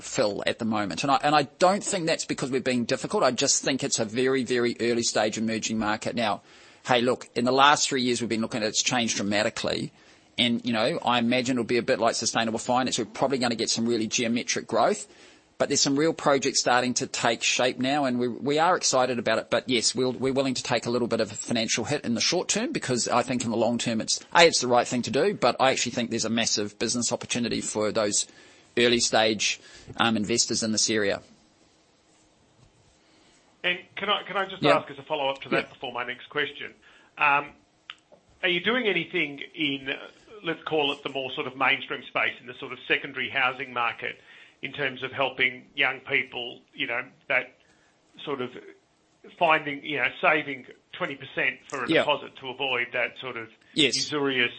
fill at the moment. I don't think that's because we're being difficult. I just think it's a very, very early stage emerging market. In the last three years we've been looking at it's changed dramatically. I imagine it'll be a bit like sustainable finance. We're probably going to get some really geometric growth, but there's some real projects starting to take shape now, and we are excited about it. Yes, we're willing to take a little bit of a financial hit in the short term, because I think in the long term, A, it's the right thing to do, but I actually think there's a massive business opportunity for those early stage investors in this area. Can I just ask as a follow-up to that before my next question? Are you doing anything in, let's call it, the more sort of mainstream space in the sort of secondary housing market in terms of helping young people, that sort of finding, saving 20% for a deposit to avoid that sort of usurious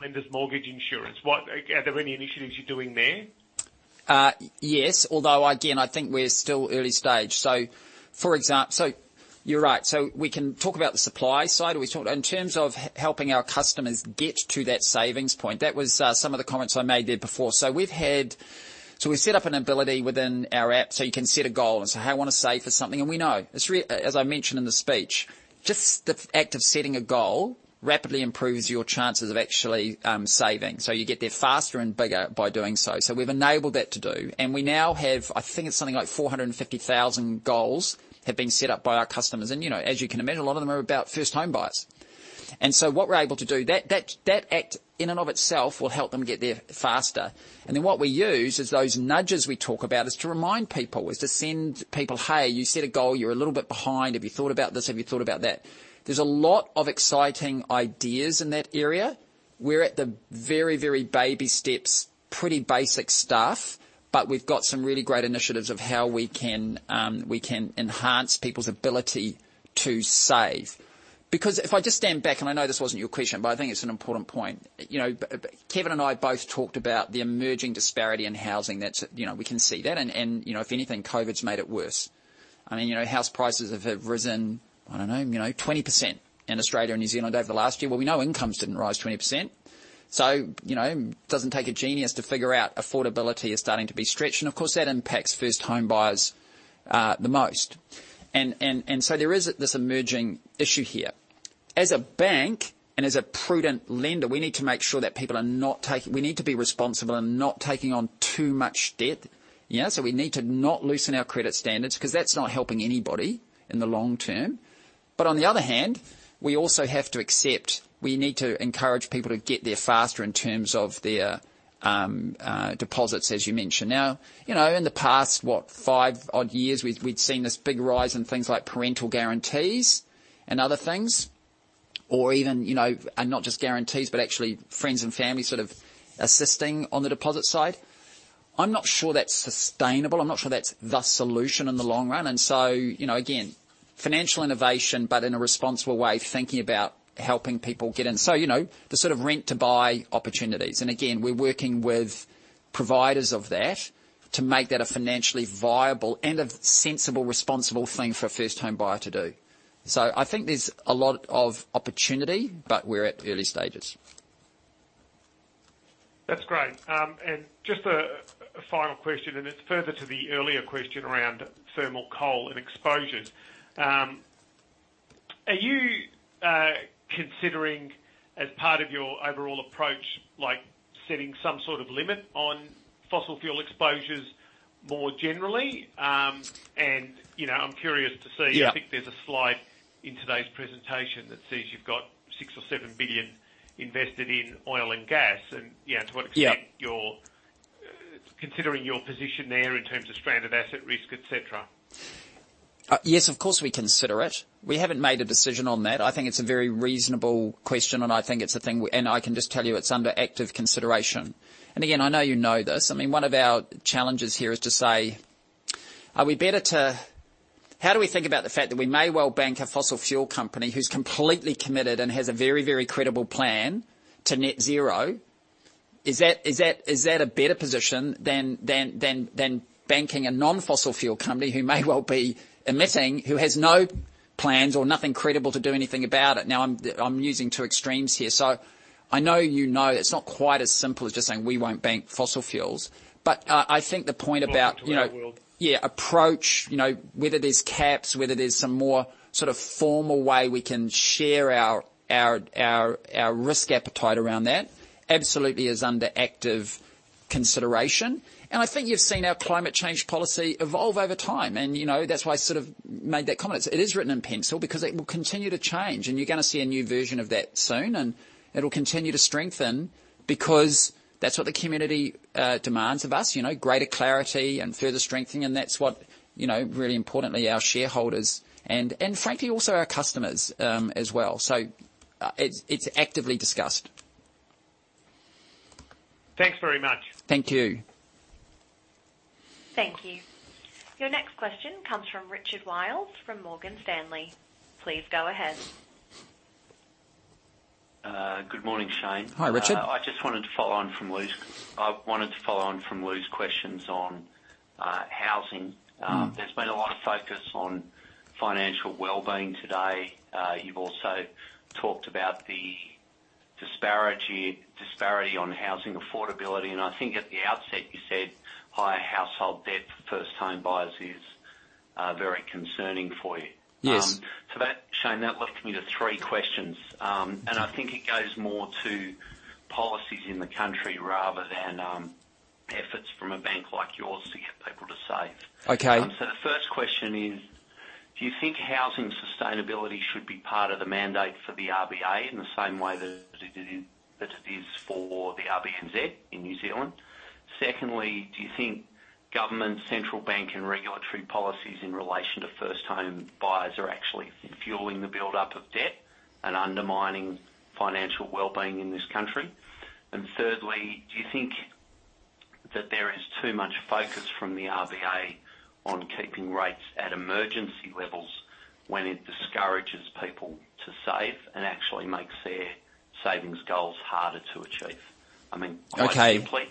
lender's mortgage insurance. Are there any initiatives you're doing there? Yes. Although again, I think we're still early stage. You're right. We can talk about the supply side. In terms of helping our customers get to that savings point, that was some of the comments I made there before. We've set up an ability within our app so you can set a goal and say, "Hey, I want to save for something." We know. As I mentioned in the speech, just the act of setting a goal rapidly improves your chances of actually saving. You get there faster and bigger by doing so. We've enabled that to do. We now have, I think it's something like 450,000 goals have been set up by our customers. As you can imagine, a lot of them are about first home buyers. What we're able to do, that act in and of itself will help them get there faster. What we use is those nudges we talk about, is to remind people, is to send people, "Hey, you set a goal, you're a little bit behind. Have you thought about this? Have you thought about that?" There's a lot of exciting ideas in that area. We're at the very, very baby steps, pretty basic stuff. We've got some really great initiatives of how we can enhance people's ability to save. If I just stand back, and I know this wasn't your question, but I think it's an important point. Kevin and I both talked about the emerging disparity in housing. We can see that, and if anything, COVID's made it worse. House prices have risen, I don't know, 20% in Australia and New Zealand over the last year. Well, we know incomes didn't rise 20%. It doesn't take a genius to figure out affordability is starting to be stretched, and of course, that impacts first home buyers the most. There is this emerging issue here. As a bank and as a prudent lender, we need to make sure that We need to be responsible and not taking on too much debt. We need to not loosen our credit standards, because that's not helping anybody in the long term. On the other hand, we also have to accept, we need to encourage people to get there faster in terms of their deposits, as you mentioned. In the past, what, five odd years, we'd seen this big rise in things like parental guarantees and other things, or even, not just guarantees, but actually friends and family sort of assisting on the deposit side. I'm not sure that's sustainable. I'm not sure that's the solution in the long run. Again, financial innovation, but in a responsible way, thinking about helping people get in. The sort of rent-to-buy opportunities. Again, we're working with providers of that to make that a financially viable and a sensible, responsible thing for a first home buyer to do. I think there's a lot of opportunity, but we're at early stages. That's great. Just a final question, and it's further to the earlier question around thermal coal and exposures. Are you considering, as part of your overall approach, setting some sort of limit on fossil fuel exposures more generally? I'm curious to see. I think there's a slide in today's presentation that says you've got 6 billion or 7 billion invested in oil and gas, and to what extent you're considering your position there in terms of stranded asset risk, et cetera. Yes, of course, we consider it. We haven't made a decision on that. I think it's a very reasonable question. I can just tell you it's under active consideration. Again, I know you know this. One of our challenges here is to say, how do we think about the fact that we may well bank a fossil fuel company who's completely committed and has a very, very credible plan to net zero? Is that a better position than banking a non-fossil fuel company who may well be emitting, who has no plans or nothing credible to do anything about it? I'm using two extremes here. I know you know it's not quite as simple as just saying we won't bank fossil fuels. Yeah, approach, whether there's caps, whether there's some more sort of formal way we can share our risk appetite around that absolutely is under active consideration. I think you've seen our climate change policy evolve over time, and that's why I sort of made that comment. It is written in pencil because it will continue to change, and you're going to see a new version of that soon, and it'll continue to strengthen because that's what the community demands of us, greater clarity and further strengthening, and that's what, really importantly, our shareholders and frankly also our customers as well. It's actively discussed. Thanks very much. Thank you. Thank you. Your next question comes from Richard Wiles from Morgan Stanley. Please go ahead. Good morning, Shayne. Hi, Richard. I just wanted to follow on from Lou's questions on housing. There's been a lot of focus on financial wellbeing today. You've also talked about the disparity on housing affordability, and I think at the outset you said higher household debt for first home buyers is very concerning for you. Shayne, that led me to three questions. I think it goes more to policies in the country rather than efforts from a bank like yours to get people to save. The first question is, do you think housing sustainability should be part of the mandate for the RBA in the same way that it is for the RBNZ in New Zealand? Secondly, do you think government, central bank, and regulatory policies in relation to first home buyers are actually fueling the buildup of debt and undermining financial wellbeing in this country? Thirdly, do you think that there is too much focus from the RBA on keeping rates at emergency levels when it discourages people to save and actually makes their savings goals harder to achieve? Quite simply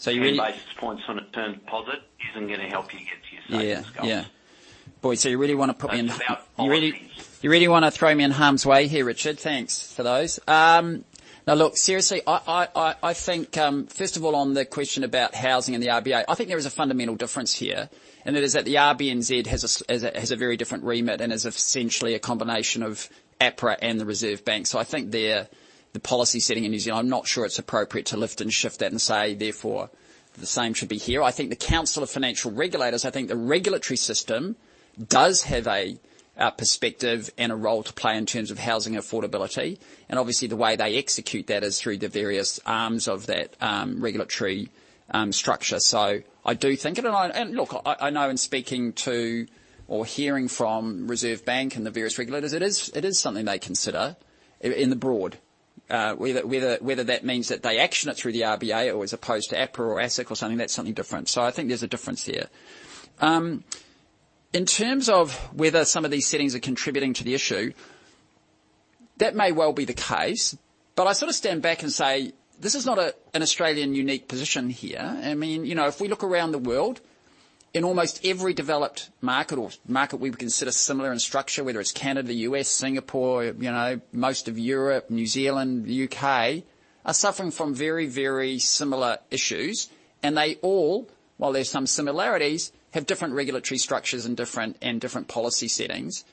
two basis points on a term deposit isn't going to help you get to your savings goal. Based on our offerings. You really want to throw me in harm's way here, Richard. Thanks for those. Now look, seriously, I think, first of all, on the question about housing and the RBA, I think there is a fundamental difference here, and it is that the RBNZ has a very different remit and is essentially a combination of APRA and the Reserve Bank. I think the policy setting in New Zealand, I'm not sure it's appropriate to lift and shift that and say therefore the same should be here. I think the Council of Financial Regulators, I think the regulatory system does have a perspective and a role to play in terms of housing affordability, and obviously the way they execute that is through the various arms of that regulatory structure. I do think, and look, I know in speaking to or hearing from Reserve Bank and the various regulators, it is something they consider in the broad. Whether that means that they action it through the RBA or as opposed to APRA or ASIC or something, that's something different. I think there's a difference there. In terms of whether some of these settings are contributing to the issue, that may well be the case, but I sort of stand back and say, this is not an Australian unique position here. If we look around the world, in almost every developed market or market we would consider similar in structure, whether it's Canada, U.S., Singapore, most of Europe, New Zealand, the U.K., are suffering from very similar issues. They all, while there's some similarities, have different regulatory structures and different policy settings.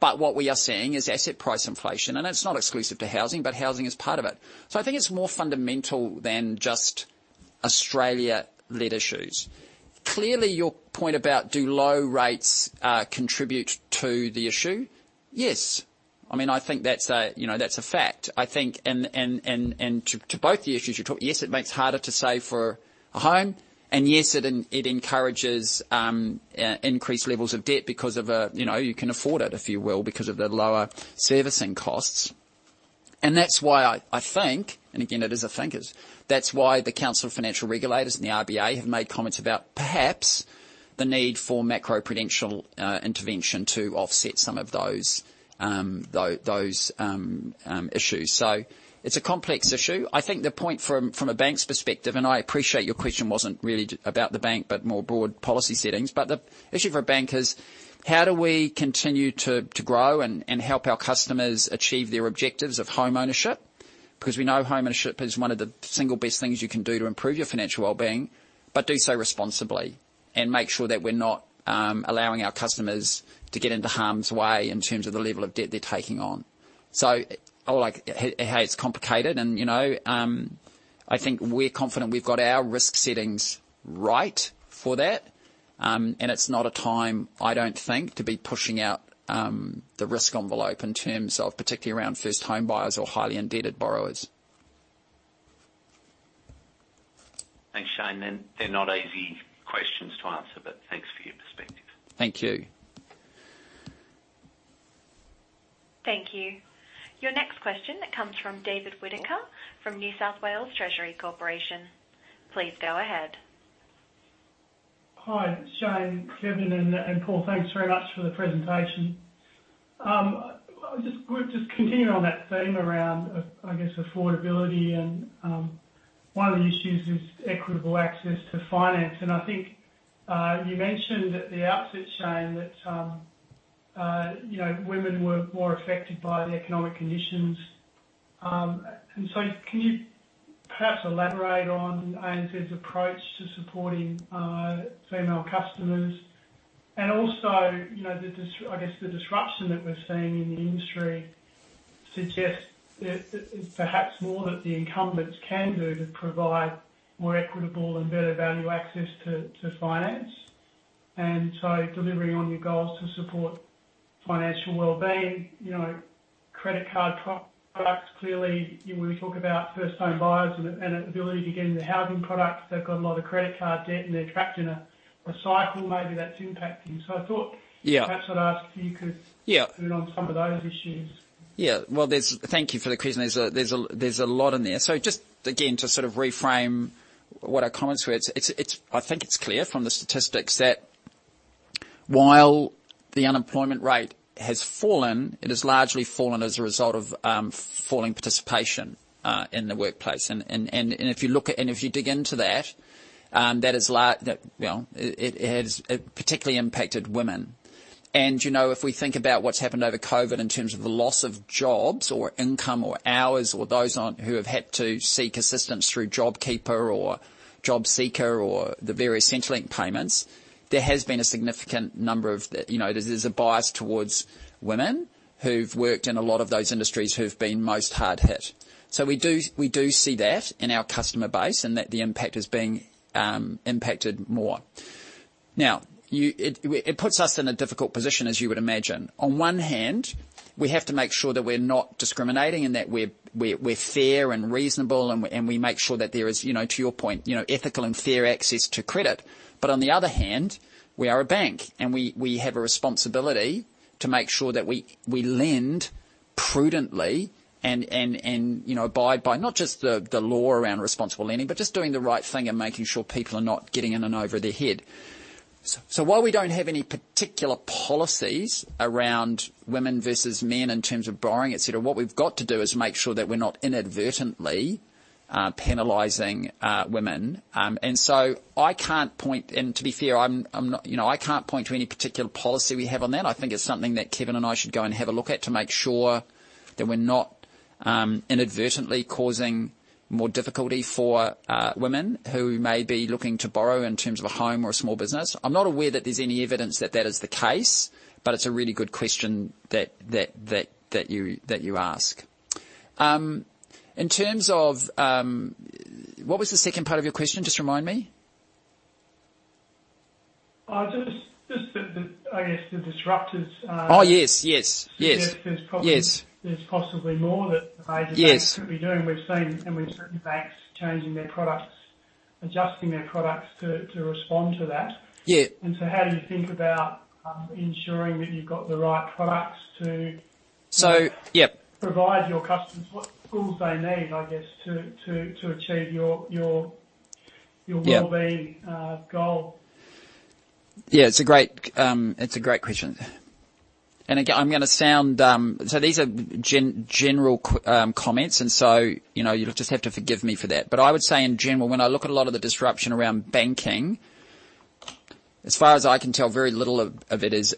What we are seeing is asset price inflation, and it's not exclusive to housing, but housing is part of it. I think it's more fundamental than just Australia-led issues. Clearly, your point about do low rates contribute to the issue? Yes. I think that's a fact. I think, and to both the issues you talked, yes, it makes it harder to save for a home, and yes, it encourages increased levels of debt because you can afford it, if you will, because of the lower servicing costs. That's why I think, and again, it is a think, that's why the Council of Financial Regulators and the RBA have made comments about perhaps the need for macro-prudential intervention to offset some of those issues. It's a complex issue. I think the point from a bank's perspective, and I appreciate your question wasn't really about the bank, but more broad policy settings. The issue for a bank is how do we continue to grow and help our customers achieve their objectives of home ownership? We know home ownership is one of the single best things you can do to improve your financial well-being, but do so responsibly and make sure that we're not allowing our customers to get into harm's way in terms of the level of debt they're taking on. Hey, it's complicated, and I think we're confident we've got our risk settings right for that, and it's not a time, I don't think, to be pushing out the risk envelope in terms of particularly around first home buyers or highly indebted borrowers. Thanks, Shayne. They're not easy questions to answer, but thanks for your perspective. Thank you. Thank you. Your next question comes from David Whittaker from New South Wales Treasury Corporation. Please go ahead. Hi, Shayne, Kevin, and Paul. Thanks very much for the presentation. Just continuing on that theme around, I guess, affordability and one of the issues is equitable access to finance. I think you mentioned at the outset, Shayne, that women were more affected by the economic conditions. Can you perhaps elaborate on ANZ's approach to supporting female customers? Also, I guess the disruption that we're seeing in the industry suggests there is perhaps more that the incumbents can do to provide more equitable and better value access to finance, and so delivering on your goals to support financial well-being. Credit card products, clearly, when we talk about first home buyers and ability to get into housing products, they've got a lot of credit card debt and they're trapped in a cycle maybe that's impacting. Perhaps I'd ask touch on some of those issues. Yeah. Well, thank you for the question. There's a lot in there. Just again, to sort of reframe what our comments were, I think it's clear from the statistics that while the unemployment rate has fallen, it has largely fallen as a result of falling participation in the workplace. If you dig into that, it has particularly impacted women. If we think about what's happened over COVID in terms of the loss of jobs or income or hours or those who have had to seek assistance through JobKeeper or JobSeeker or the various Centrelink payments, there's a bias towards women who've worked in a lot of those industries who've been most hard hit. We do see that in our customer base and that the impact is being impacted more. It puts us in a difficult position, as you would imagine. On one hand, we have to make sure that we're not discriminating and that we're fair and reasonable, and we make sure that there is, to your point, ethical and fair access to credit. On the other hand, we are a bank, and we have a responsibility to make sure that we lend prudently and abide by not just the law around responsible lending, but just doing the right thing and making sure people are not getting in and over their head. While we don't have any particular policies around women versus men in terms of borrowing, et cetera, what we've got to do is make sure that we're not inadvertently penalizing women. To be fair, I can't point to any particular policy we have on that. I think it's something that Kevin and I should go and have a look at to make sure that we're not inadvertently causing more difficulty for women who may be looking to borrow in terms of a home or a small business. I'm not aware that there's any evidence that that is the case, but it's a really good question that you ask. In terms of, what was the second part of your question? Just remind me. Just the, I guess, the disruptors. Oh, yes. There's possibly more that the major banks could be doing. We've seen certain banks adjusting their products to respond to that. Yeah. How do you think about ensuring that you've got the right products to provide your customers what tools they need, I guess, to achieve your wellbeing goal? Yeah, it's a great question. These are general comments and so you'll just have to forgive me for that. I would say, in general, when I look at a lot of the disruption around banking, as far as I can tell, very little of it has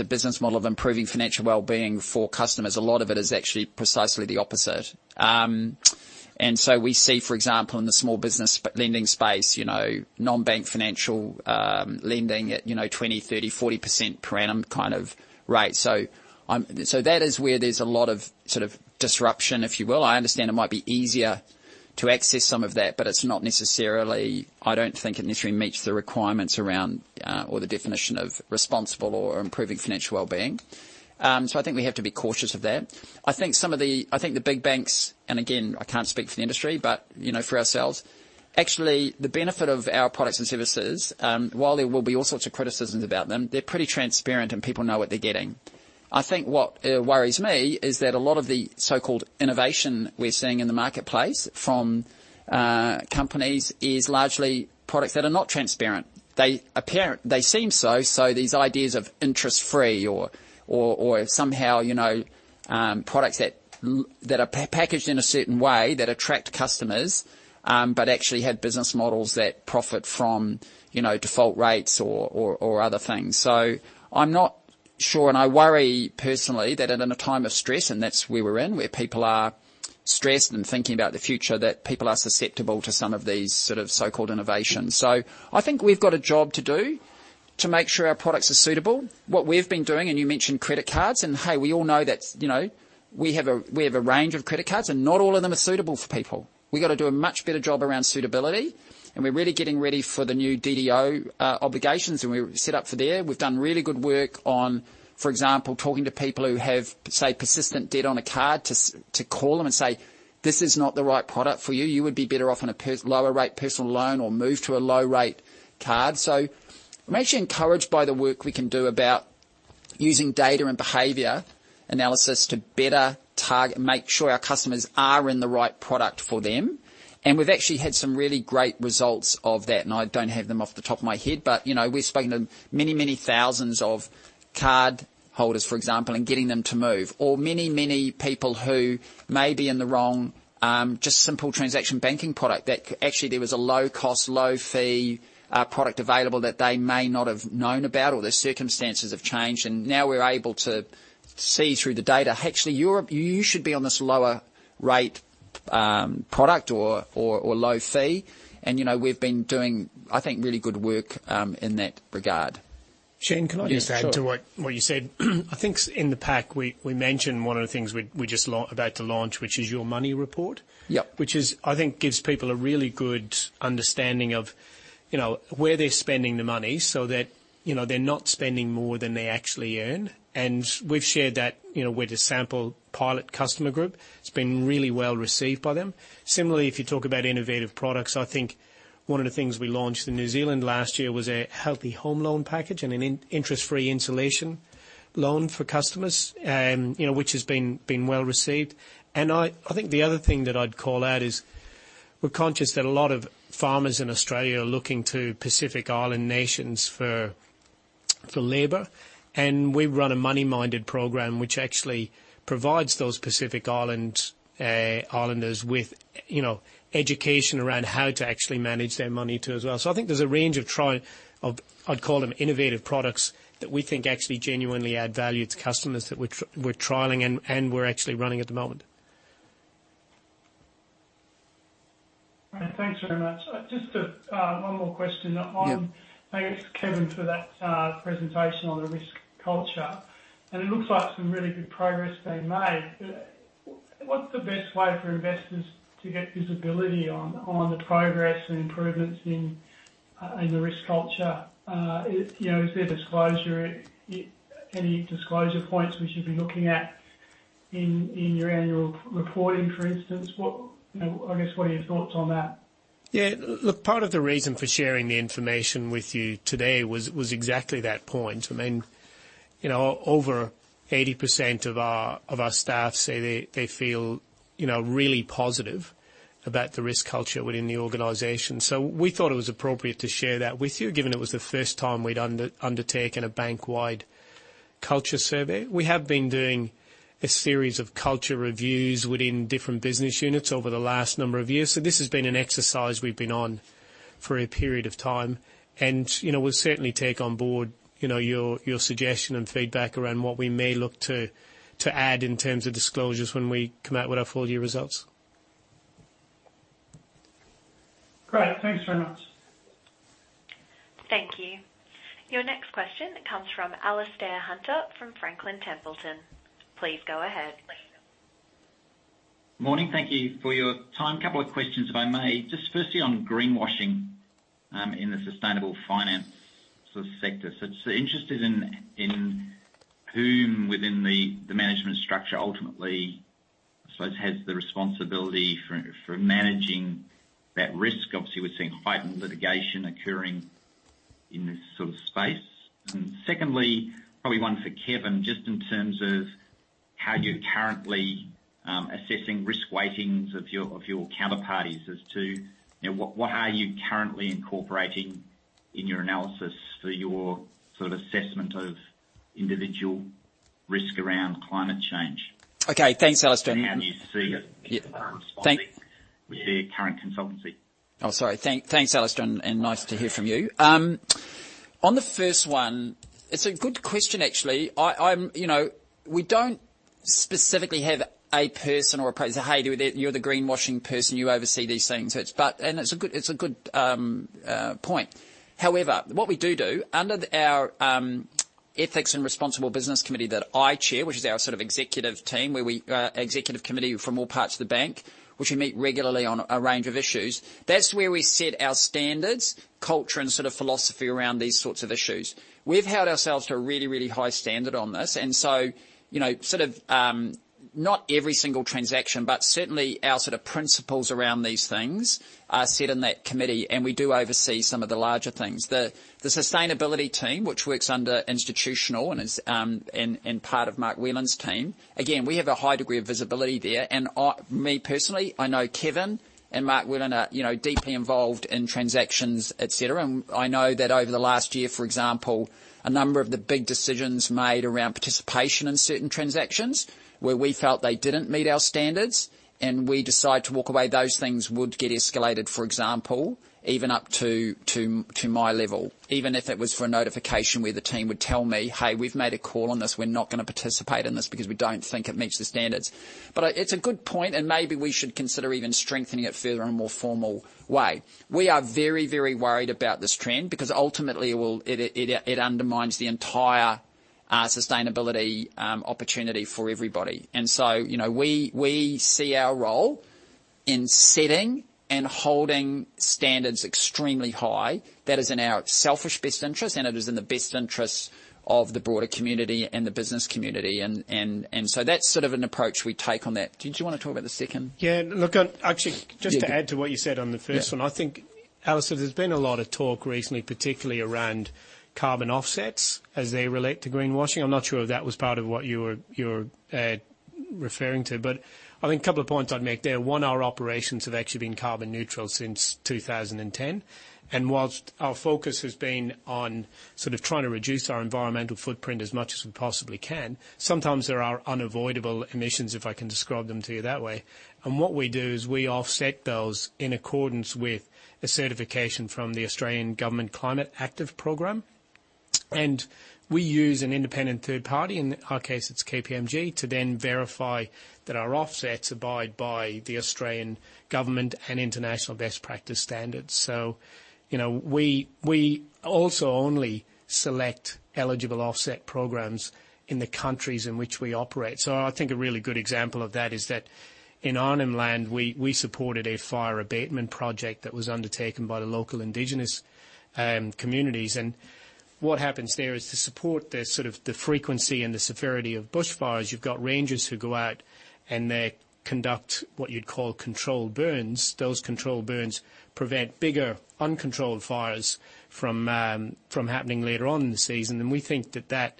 a business model of improving financial wellbeing for customers. A lot of it is actually precisely the opposite. We see, for example, in the small business lending space, non-bank financial lending at 20%, 30%, 40% per annum kind of rate. That is where there's a lot of disruption, if you will. I understand it might be easier to access some of that, but I don't think it necessarily meets the requirements around, or the definition of responsible or improving financial wellbeing. I think we have to be cautious of that. I think the big banks, and again, I can't speak for the industry, but for ourselves, actually, the benefit of our products and services, while there will be all sorts of criticisms about them, they're pretty transparent and people know what they're getting. I think what worries me is that a lot of the so-called innovation we're seeing in the marketplace from companies is largely products that are not transparent. They seem so these ideas of interest-free or somehow products that are packaged in a certain way that attract customers, but actually have business models that profit from default rates or other things. I'm not sure, and I worry personally that in a time of stress, and that's where we're in, where people are stressed and thinking about the future, that people are susceptible to some of these sort of so-called innovations. I think we've got a job to do to make sure our products are suitable. What we've been doing, and you mentioned credit cards, and hey, we all know that we have a range of credit cards, and not all of them are suitable for people. We've got to do a much better job around suitability, and we're really getting ready for the new DDO obligations, and we're set up for there. We've done really good work on, for example, talking to people who have, say, persistent debt on a card to call them and say, "This is not the right product for you. You would be better off on a lower rate personal loan or move to a low rate card." I'm actually encouraged by the work we can do about using data and behavior analysis to better make sure our customers are in the right product for them. We've actually had some really great results of that, and I don't have them off the top of my head, but we've spoken to many thousands of card holders, for example, and getting them to move. Many people who may be in the wrong just simple transaction banking product, that actually there was a low cost, low fee product available that they may not have known about, or their circumstances have changed and now we're able to see through the data, actually, you should be on this lower rate product or low fee. We've been doing, I think, really good work in that regard. Shayne, can I just add to what you said? Yeah, sure. I think in the pack we mentioned one of the things we're just about to launch, which is Your Money Report. I think, gives people a really good understanding of where they're spending the money so that they're not spending more than they actually earn. We've shared that with a sample pilot customer group. It's been really well received by them. Similarly, if you talk about innovative products, I think one of the things we launched in New Zealand last year was a Healthy Home Loan package and an interest-free insulation loan for customers, which has been well received. I think the other thing that I'd call out is we're conscious that a lot of farmers in Australia are looking to Pacific Island nations for labor, and we run a MoneyMinded program which actually provides those Pacific Islanders with education around how to actually manage their money too as well. I think there's a range of trial of, I'd call them innovative products, that we think actually genuinely add value to customers that we're trialing and we're actually running at the moment. Great. Thanks very much. Just one more question. Thanks, Kevin, for that presentation on the risk culture. It looks like some really good progress being made. What's the best way for investors to get visibility on the progress and improvements in the risk culture? Is there any disclosure points we should be looking at in your annual reporting, for instance? I guess, what are your thoughts on that? Look, part of the reason for sharing the information with you today was exactly that point. I mean, over 80% of our staff say they feel really positive about the risk culture within the organization. We thought it was appropriate to share that with you, given it was the first time we'd undertaken a bank-wide culture survey. We have been doing a series of culture reviews within different business units over the last number of years. This has been an exercise we've been on for a period of time, and we'll certainly take on board your suggestion and feedback around what we may look to add in terms of disclosures when we come out with our full year results. Great. Thanks very much. Thank you. Your next question comes from Alastair Hunter from Franklin Templeton. Please go ahead. Morning. Thank you for your time. Couple of questions, if I may. Just firstly, on greenwashing in the sustainable finance sector, interested in whom within the management structure ultimately, I suppose, has the responsibility for managing that risk. Obviously, we're seeing heightened litigation occurring in this sort of space. Secondly, probably one for Kevin, just in terms of how you're currently assessing risk weightings of your counterparties as to what are you currently incorporating in your analysis for your sort of assessment of individual risk around climate change? Okay, thanks, Alastair. How do you see it corresponding with your current consultancy? Oh, sorry. Thanks, Alastair, and nice to hear from you. On the first one, it's a good question, actually. We don't specifically have a person or a place, "Hey, you're the greenwashing person, you oversee these things." It's a good point. However, what we do do, under our Ethics and Responsible Business Committee that I chair, which is our sort of executive team, executive committee from all parts of the bank, which we meet regularly on a range of issues. That's where we set our standards, culture, and sort of philosophy around these sorts of issues. We've held ourselves to a really high standard on this. Not every single transaction, but certainly our set of principles around these things are set in that committee, and we do oversee some of the larger things. The sustainability team, which works under Institutional and part of Mark Whelan's team, again, we have a high degree of visibility there. Me personally, I know Kevin and Mark Whelan are deeply involved in transactions, et cetera. I know that over the last year, for example, a number of the big decisions made around participation in certain transactions, where we felt they didn't meet our standards and we decide to walk away, those things would get escalated, for example, even up to my level. Even if it was for a notification where the team would tell me, "Hey, we've made a call on this. We're not going to participate in this because we don't think it meets the standards." It's a good point, and maybe we should consider even strengthening it further in a more formal way. We are very worried about this trend, because ultimately, it undermines the entire sustainability opportunity for everybody. We see our role in setting and holding standards extremely high. That is in our selfish best interest, and it is in the best interest of the broader community and the business community. That's sort of an approach we take on that. Did you want to talk about the second? Yeah, look, actually, just to add to what you said on the first one. I think, Alastair, there's been a lot of talk recently, particularly around carbon offsets as they relate to greenwashing. I'm not sure if that was part of what you were referring to. I think a couple of points I'd make there. One, our operations have actually been carbon neutral since 2010. Whilst our focus has been on sort of trying to reduce our environmental footprint as much as we possibly can, sometimes there are unavoidable emissions, if I can describe them to you that way. What we do is we offset those in accordance with a certification from the Australian Government Climate Active Program. We use an independent third party, in our case, it's KPMG, to then verify that our offsets abide by the Australian Government and international best practice standards. We also only select eligible offset programs in the countries in which we operate. I think a really good example of that is that in Arnhem Land, we supported a fire abatement project that was undertaken by the local Indigenous communities. What happens there is to support the sort of the frequency and the severity of bushfires, you've got rangers who go out and they conduct what you'd call controlled burns. Those controlled burns prevent bigger uncontrolled fires from happening later on in the season. We think that that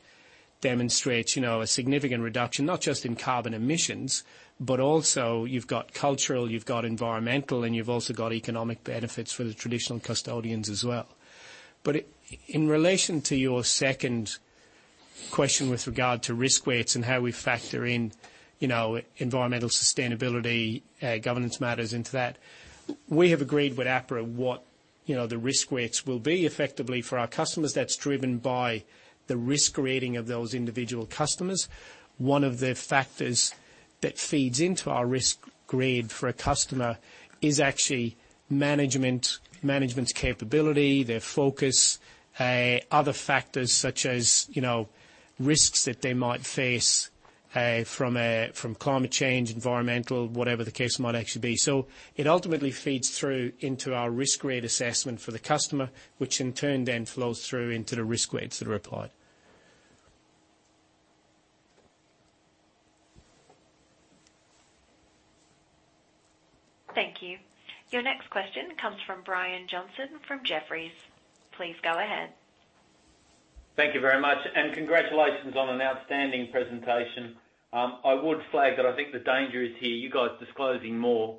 demonstrates a significant reduction, not just in carbon emissions, but also you've got cultural, you've got environmental, and you've also got economic benefits for the traditional custodians as well. In relation to your second question with regard to risk weights and how we factor in environmental sustainability, governance matters into that, we have agreed with APRA what the risk weights will be effectively for our customers. That's driven by the risk rating of those individual customers. One of the factors that feeds into our risk grade for a customer is actually management's capability, their focus, other factors such as risks that they might face from climate change, environmental, whatever the case might actually be. It ultimately feeds through into our risk grade assessment for the customer, which in turn then flows through into the risk weights that are applied. Thank you. Your next question comes from Brian Johnson from Jefferies. Please go ahead. Thank you very much. Congratulations on an outstanding presentation. I would flag that I think the danger is here, you guys disclosing more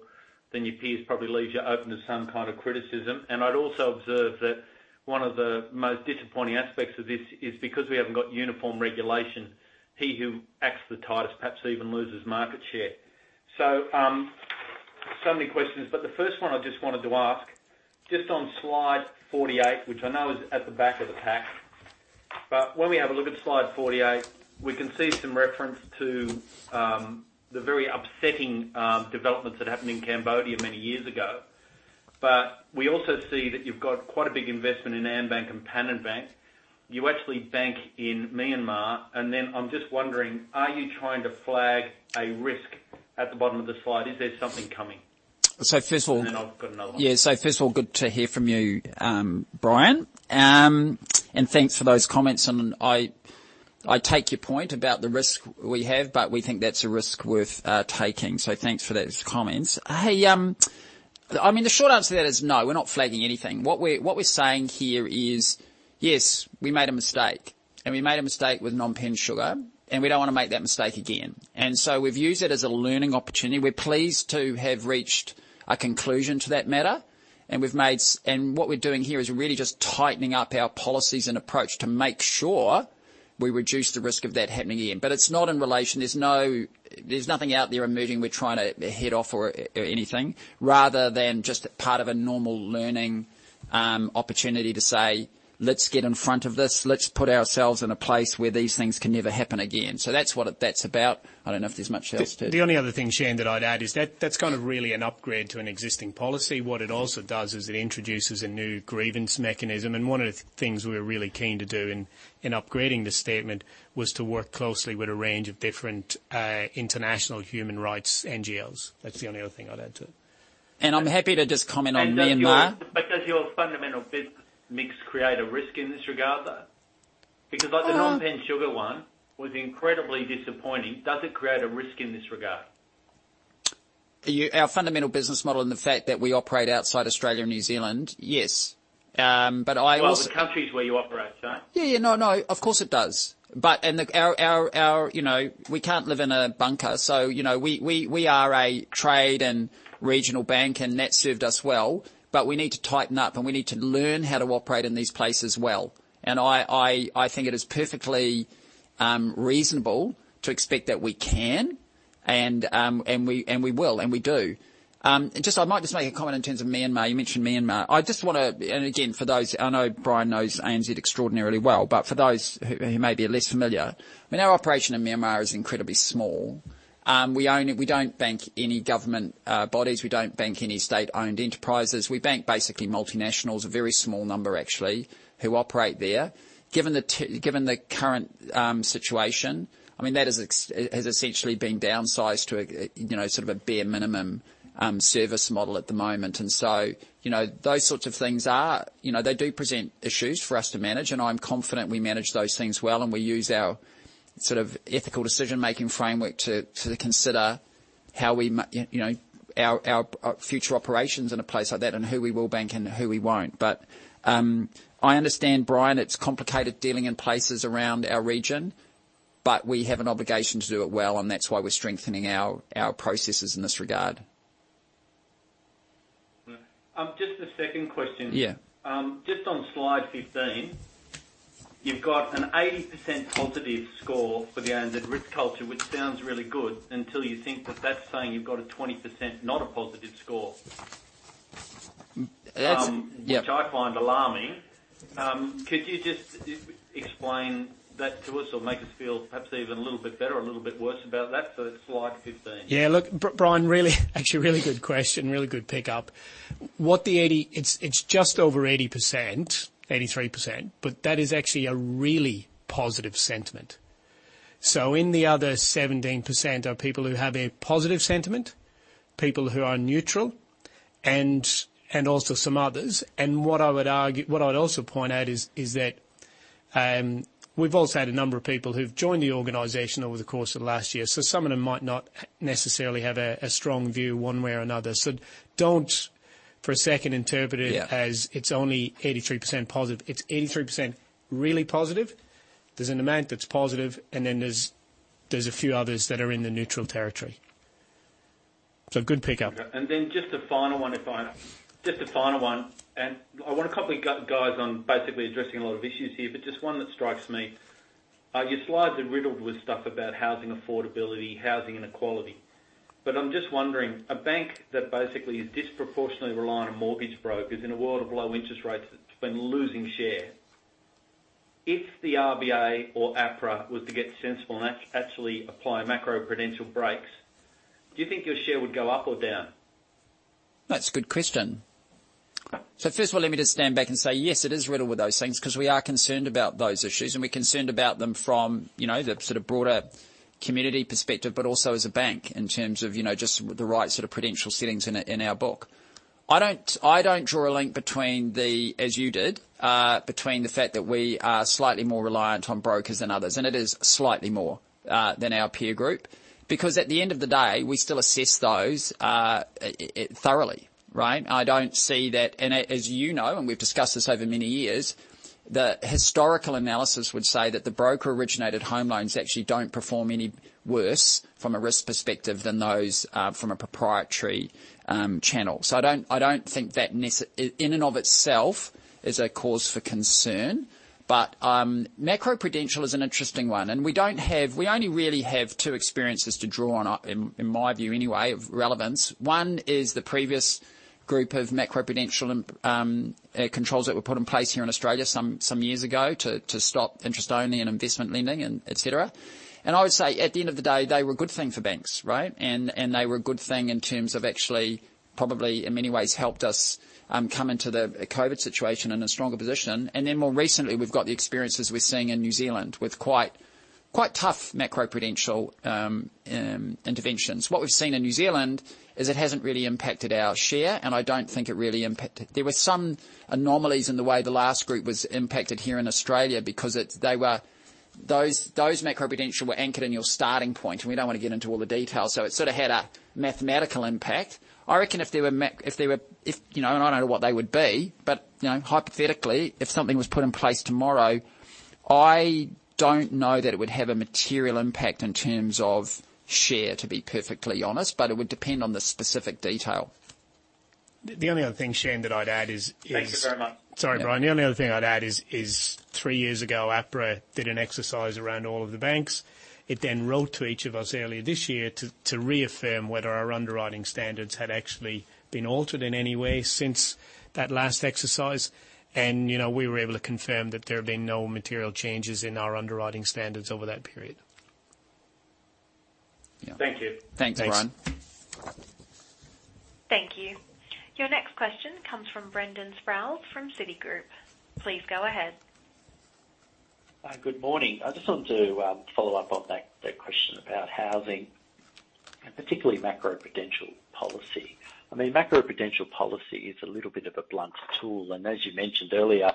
than your peers probably leaves you open to some kind of criticism. I'd also observe that one of the most disappointing aspects of this is because we haven't got uniform regulation, he who acts the tightest perhaps even loses market share. Many questions, but the first one I just wanted to ask, just on slide 48, which I know is at the back of the pack. When we have a look at slide 48, we can see some reference to the very upsetting developments that happened in Cambodia many years ago. We also see that you've got quite a big investment in AmBank and Panin Bank. You actually bank in Myanmar. I'm just wondering, are you trying to flag a risk at the bottom of the slide? Is there something coming? I've got another one. Yeah. First of all, good to hear from you, Brian. Thanks for those comments, and I take your point about the risk we have, but we think that's a risk worth taking. Thanks for those comments. The short answer to that is no, we're not flagging anything. What we're saying here is, yes, we made a mistake, and we made a mistake with Phnom Penh Sugar, and we don't want to make that mistake again. We've used it as a learning opportunity. We're pleased to have reached a conclusion to that matter. What we're doing here is really just tightening up our policies and approach to make sure we reduce the risk of that happening again. There's nothing out there emerging we're trying to head off or anything, rather than just part of a normal learning opportunity to say, 'Let's get in front of this. Let's put ourselves in a place where these things can never happen again.' That's what that's about. The only other thing, Shayne, that I'd add is that's kind of really an upgrade to an existing policy. What it also does is it introduces a new grievance mechanism. One of the things we were really keen to do in upgrading this statement was to work closely with a range of different international human rights NGOs. That's the only other thing I'd add to it. I'm happy to just comment on Myanmar. Does your fundamental business mix create a risk in this regard, though? Because the Phnom Penh Sugar one was incredibly disappointing. Does it create a risk in this regard? Our fundamental business model and the fact that we operate outside Australia and New Zealand? Yes. Well, the countries where you operate, Shayne. Yeah. No, of course it does. We can't live in a bunker. We are a trade and regional bank, and that's served us well, but we need to tighten up, and we need to learn how to operate in these places well. I think it is perfectly reasonable to expect that we can and we will, and we do. I might just make a comment in terms of Myanmar. You mentioned Myanmar. I know Brian knows ANZ extraordinarily well, but for those who may be less familiar, our operation in Myanmar is incredibly small. We don't bank any government bodies. We don't bank any state-owned enterprises. We bank basically multinationals, a very small number actually, who operate there. Given the current situation, that has essentially been downsized to a sort of a bare minimum service model at the moment. Those sorts of things do present issues for us to manage, and I'm confident we manage those things well, and we use our ethical decision-making framework to consider our future operations in a place like that and who we will bank and who we won't. I understand, Brian, it's complicated dealing in places around our region, but we have an obligation to do it well, and that's why we're strengthening our processes in this regard. Just a second question. Just on slide 15, you've got an 80% positive score for the ANZ risk culture, which sounds really good until you think that that's saying you've got a 20% not a positive score which I find alarming. Could you just explain that to us or make us feel perhaps even a little bit better or a little bit worse about that? Slide 15. Yeah. Look, Brian, actually really good question. Really good pickup. It's just over 80%, 83%, that is actually a really positive sentiment. In the other 17% are people who have a positive sentiment, people who are neutral, and also some others. What I would also point out is that we've also had a number of people who've joined the organization over the course of the last year. Some of them might not necessarily have a strong view one way or another. Don't, for a second, interpret it as it's only 83% positive. It's 83% really positive. There's an amount that's positive, and then there's a few others that are in the neutral territory. Good pickup. Just a final one. I want to compliment you guys on basically addressing a lot of issues here, but just one that strikes me. Your slides are riddled with stuff about housing affordability, housing inequality. I'm just wondering, a bank that basically is disproportionately reliant on mortgage brokers in a world of low interest rates that's been losing share. If the RBA or APRA was to get sensible and actually apply macroprudential brakes, do you think your share would go up or down? That's a good question. First of all, let me just stand back and say, yes, it is riddled with those things because we are concerned about those issues, and we're concerned about them from the sort of broader community perspective, but also as a bank in terms of just the right sort of prudential settings in our book. I don't draw a link, as you did, between the fact that we are slightly more reliant on brokers than others, and it is slightly more than our peer group. At the end of the day, we still assess those thoroughly, right? I don't see that, and as you know, and we've discussed this over many years, the historical analysis would say that the broker-originated home loans actually don't perform any worse from a risk perspective than those from a proprietary channel. I don't think that in and of itself is a cause for concern. Macroprudential is an interesting one, and we only really have two experiences to draw on, in my view anyway, of relevance. One is the previous group of macroprudential controls that were put in place here in Australia some years ago to stop interest-only and investment lending, et cetera. I would say, at the end of the day, they were a good thing for banks, right? They were a good thing in terms of actually, probably, in many ways, helped us come into the COVID situation in a stronger position. More recently, we've got the experiences we're seeing in New Zealand with quite tough macroprudential interventions. What we've seen in New Zealand is it hasn't really impacted our share, and I don't think it really impacted. There were some anomalies in the way the last group was impacted here in Australia because those macroprudential were anchored in your starting point, and we don't want to get into all the details. It sort of had a mathematical impact. I reckon if there were, and I don't know what they would be, but hypothetically, if something was put in place tomorrow, I don't know that it would have a material impact in terms of share, to be perfectly honest, but it would depend on the specific detail. The only other thing, Shayne, that I'd add is. Thank you very much. Sorry, Brian. The only other thing I'd add is three years ago, APRA did an exercise around all of the banks. It then wrote to each of us earlier this year to reaffirm whether our underwriting standards had actually been altered in any way since that last exercise, and we were able to confirm that there have been no material changes in our underwriting standards over that period. Thank you. Thanks, Brian. Thank you. Your next question comes from Brendan Sproules from Citigroup. Please go ahead. Good morning. I just wanted to follow up on that question about housing, and particularly macroprudential policy. I mean, macroprudential policy is a little bit of a blunt tool, and as you mentioned earlier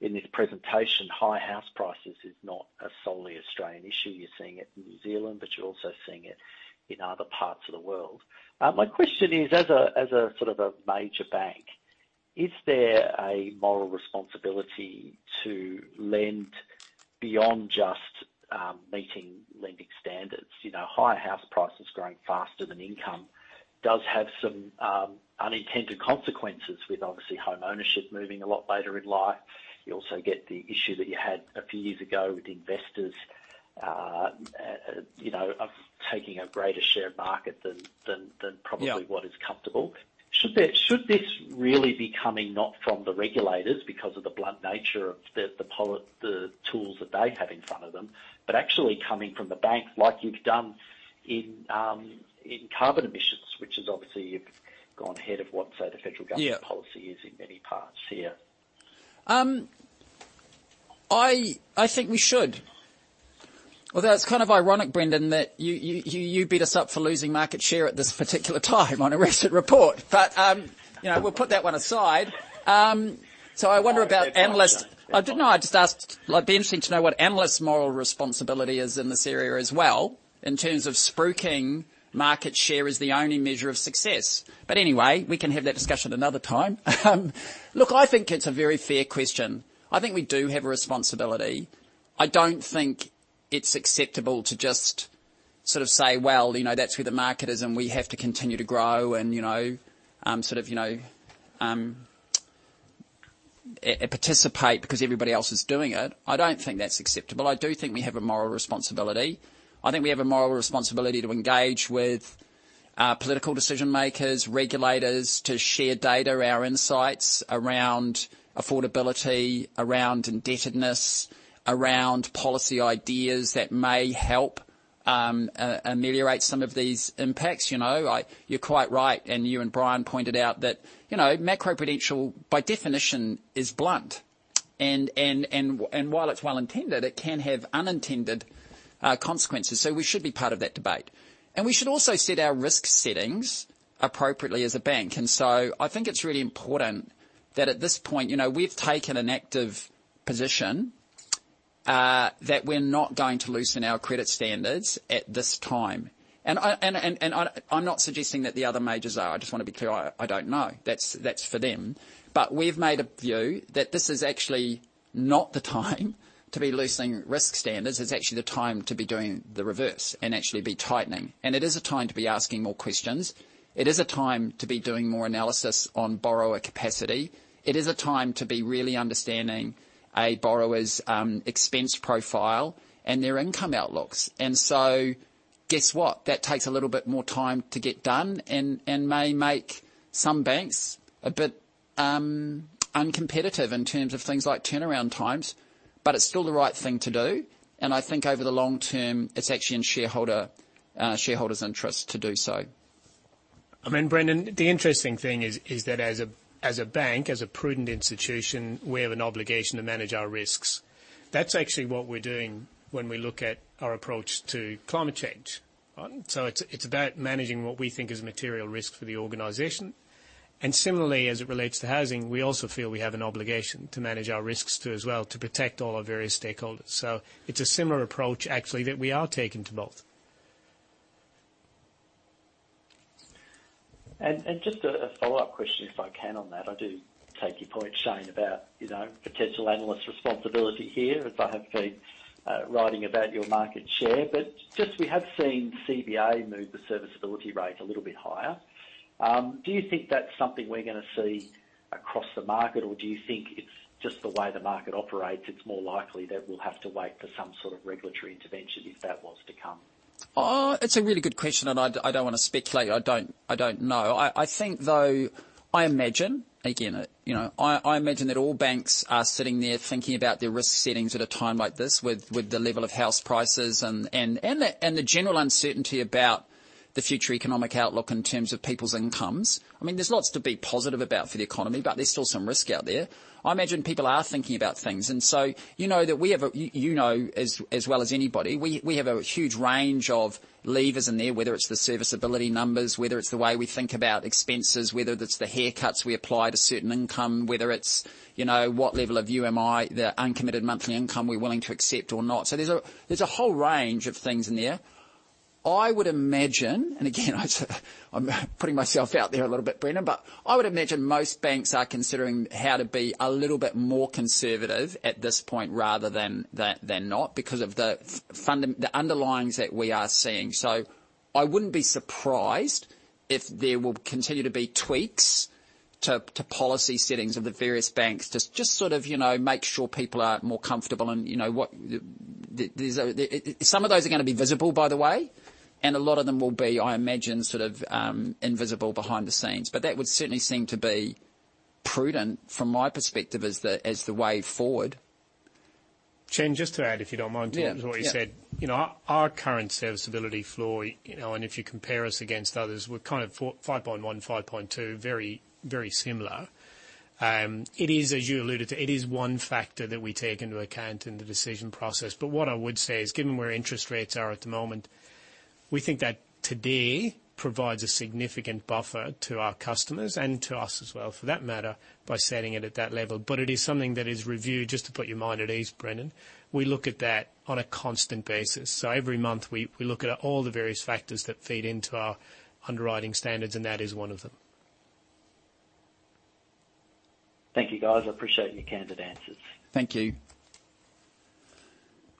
in this presentation, high house prices is not a solely Australian issue. You're seeing it in New Zealand, but you're also seeing it in other parts of the world. My question is, as a sort of a major bank, is there a moral responsibility to lend beyond just meeting lending standards? Higher house prices growing faster than income does have some unintended consequences with obviously home ownership moving a lot later in life. You also get the issue that you had a few years ago with investors taking a greater share of market than probably what is comfortable. Should this really be coming not from the regulators because of the blunt nature of the tools that they have in front of them, but actually coming from the banks like you've done in carbon emissions, which is obviously you've gone ahead of what, say, the federal government policy is in many parts here? I think we should. It's kind of ironic, Brendan, that you beat us up for losing market share at this particular time on a recent report. We'll put that one aside. I wonder about analysts. It'd be interesting to know what analysts' moral responsibility is in this area as well in terms of spruiking market share as the only measure of success. Anyway, we can have that discussion another time. I think it's a very fair question. I think we do have a responsibility. I don't think it's acceptable to just sort of say, "Well, that's where the market is, and we have to continue to grow and participate because everybody else is doing it." I don't think that's acceptable. I do think we have a moral responsibility. I think we have a moral responsibility to engage with political decision makers, regulators to share data, our insights around affordability, around indebtedness, around policy ideas that may help ameliorate some of these impacts. You're quite right, and you and Brian pointed out that macroprudential, by definition, is blunt. While it's well-intended, it can have unintended consequences. We should be part of that debate. We should also set our risk settings appropriately as a bank. I think it's really important that at this point, we've taken an active position that we're not going to loosen our credit standards at this time. I'm not suggesting that the other majors are. I just want to be clear, I don't know. That's for them. We've made a view that this is actually not the time to be loosening risk standards. It's actually the time to be doing the reverse and actually be tightening. It is a time to be asking more questions. It is a time to be doing more analysis on borrower capacity. It is a time to be really understanding a borrower's expense profile and their income outlooks. Guess what? That takes a little bit more time to get done and may make some banks a bit uncompetitive in terms of things like turnaround times, but it's still the right thing to do. I think over the long term, it's actually in shareholders' interest to do so. I mean, Brendan, the interesting thing is that as a bank, as a prudent institution, we have an obligation to manage our risks. That's actually what we're doing when we look at our approach to climate change. It's about managing what we think is material risk for the organization. Similarly, as it relates to housing, we also feel we have an obligation to manage our risks, too, as well, to protect all our various stakeholders. It's a similar approach, actually, that we are taking to both. Just a follow-up question, if I can, on that. I do take your point, Shayne, about potential analysts' responsibility here, as I have been writing about your market share. Just we have seen CBA move the serviceability rate a little bit higher. Do you think that's something we're going to see across the market, or do you think it's just the way the market operates, it's more likely that we'll have to wait for some sort of regulatory intervention if that was to come? It's a really good question. I don't want to speculate. I don't know. I imagine that all banks are sitting there thinking about their risk settings at a time like this with the level of house prices and the general uncertainty about the future economic outlook in terms of people's incomes. There's lots to be positive about for the economy. There's still some risk out there. I imagine people are thinking about things. You know as well as anybody, we have a huge range of levers in there, whether it's the serviceability numbers, whether it's the way we think about expenses, whether it's the haircuts we apply to certain income, whether it's what level of UMI, the uncommitted monthly income we're willing to accept or not. There's a whole range of things in there. I would imagine, and again, I'm putting myself out there a little bit, Brendan, but I would imagine most banks are considering how to be a little bit more conservative at this point rather than not, because of the underlyings that we are seeing. I wouldn't be surprised if there will continue to be tweaks to policy settings of the various banks to just sort of make sure people are more comfortable. Some of those are going to be visible, by the way, and a lot of them will be, I imagine, sort of invisible behind the scenes. That would certainly seem to be prudent from my perspective as the way forward. Shayne, just to add, if you don't mind, to what you said. Yeah. Our current serviceability floor, and if you compare us against others, we're kind of 5.1, 5.2, very similar. As you alluded to, it is one factor that we take into account in the decision process. What I would say is, given where interest rates are at the moment, we think that today provides a significant buffer to our customers, and to us as well for that matter, by setting it at that level. It is something that is reviewed. Just to put your mind at ease, Brendan. We look at that on a constant basis. Every month, we look at all the various factors that feed into our underwriting standards, and that is one of them. Thank you, guys. I appreciate your candid answers. Thank you.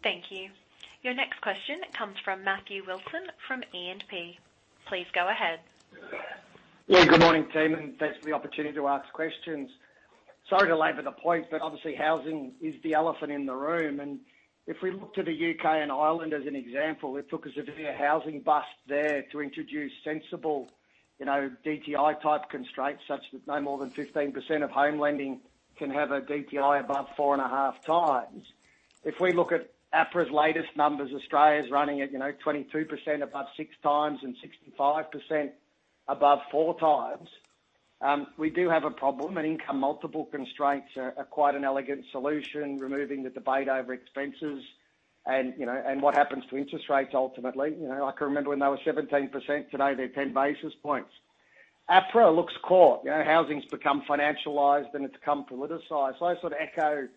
Thank you. Your next question comes from Matthew Wilson from E&P. Please go ahead. Yeah, good morning, team, and thanks for the opportunity to ask questions. Sorry to labor the point, but obviously housing is the elephant in the room. If we look to the U.K. and Ireland as an example, it took a severe housing bust there to introduce sensible DTI type constraints, such that no more than 15% of home lending can have a DTI above 4.5x. If we look at APRA's latest numbers, Australia's running at 22% above 6x and 65% above 4x. We do have a problem, and income multiple constraints are quite an elegant solution, removing the debate over expenses and what happens to interest rates ultimately. I can remember when they were 17%. Today, they're 10 basis points. APRA looks caught. Housing's become financialized, and it's become politicized. I sort of echo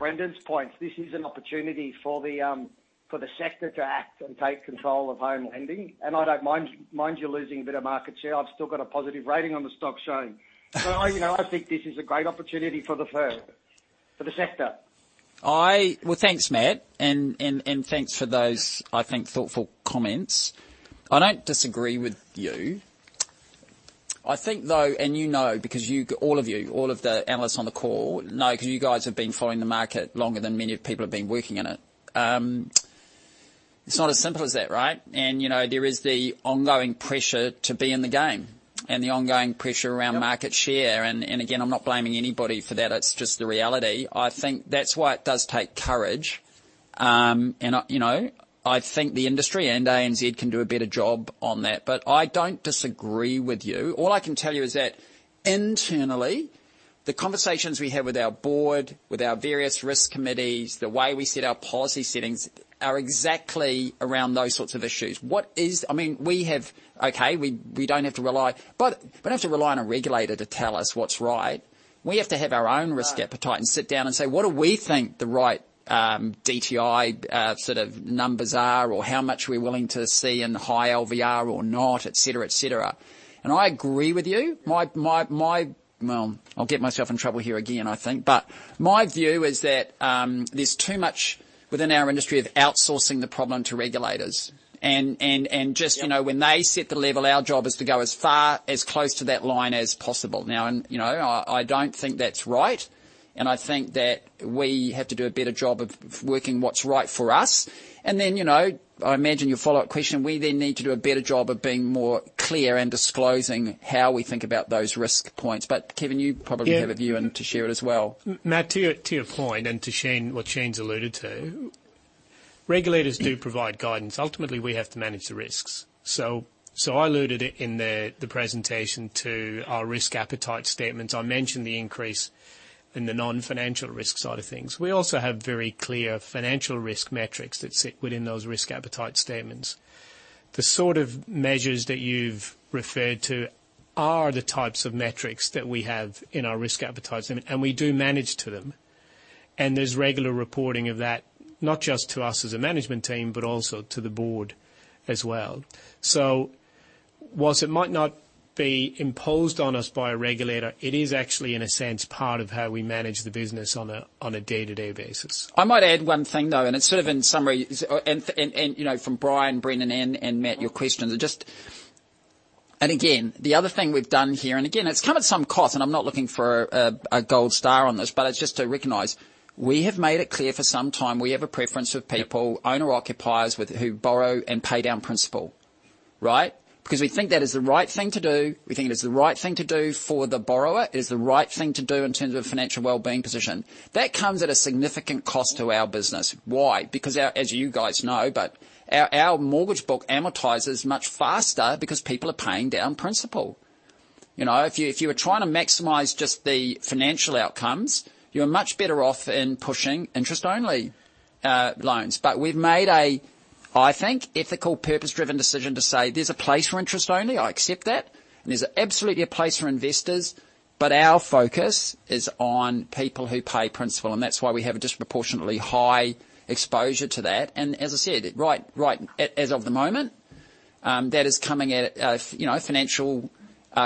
Brendan's points. This is an opportunity for the sector to act and take control of home lending. I don't mind you losing a bit of market share. I've still got a positive rating on the stock, Shayne. I think this is a great opportunity for the firm, for the sector. Well, thanks, Matt, and thanks for those, I think, thoughtful comments. I don't disagree with you. I think, though, you know because all of you, all of the analysts on the call know because you guys have been following the market longer than many people have been working in it. It's not as simple as that, right? There is the ongoing pressure to be in the game and the ongoing pressure around market share. Again, I'm not blaming anybody for that. It's just the reality. I think that's why it does take courage. I think the industry and ANZ can do a better job on that. I don't disagree with you. All I can tell you is that internally, the conversations we have with our board, with our various risk committees, the way we set our policy settings are exactly around those sorts of issues. We don't have to rely on a regulator to tell us what's right. We have to have our own risk appetite and sit down and say, "What do we think the right DTI sort of numbers are or how much we're willing to see in high LVR or not?" Et cetera. I agree with you. Well, I'll get myself in trouble here again, I think. My view is that there's too much within our industry of outsourcing the problem to regulators. When they set the level, our job is to go as close to that line as possible. I don't think that's right. I think that we have to do a better job of working what's right for us. I imagine your follow-up question, we need to do a better job of being more clear and disclosing how we think about those risk points. Kevin, you probably have a view to share it as well. Matt, to your point and to what Shayne's alluded to, regulators do provide guidance. Ultimately, we have to manage the risks. I alluded it in the presentation to our risk appetite statements. I mentioned the increase in the non-financial risk side of things. We also have very clear financial risk metrics that sit within those risk appetite statements. The sort of measures that you've referred to are the types of metrics that we have in our risk appetite statement, and we do manage to them. There's regular reporting of that, not just to us as a management team, but also to the board as well. Whilst it might not be imposed on us by a regulator, it is actually, in a sense, part of how we manage the business on a day-to-day basis. I might add one thing, though. It's sort of in summary, from Brian, Brendan, and Matthew. Again, the other thing we've done here, again, it's come at some cost. I'm not looking for a gold star on this, it's just to recognize, we have made it clear for some time, we have a preference for people, owner occupiers who borrow and pay down principal. Right? We think that is the right thing to do. We think it is the right thing to do for the borrower. It is the right thing to do in terms of financial wellbeing position. That comes at a significant cost to our business. Why? As you guys know, our mortgage book amortizes much faster because people are paying down principal. If you were trying to maximize just the financial outcomes, you're much better off in pushing interest-only loans. We've made a, I think, ethical, purpose-driven decision to say there's a place for interest only. I accept that. There's absolutely a place for investors, but our focus is on people who pay principal, and that's why we have a disproportionately high exposure to that. As I said, right as of the moment, that is coming at a financial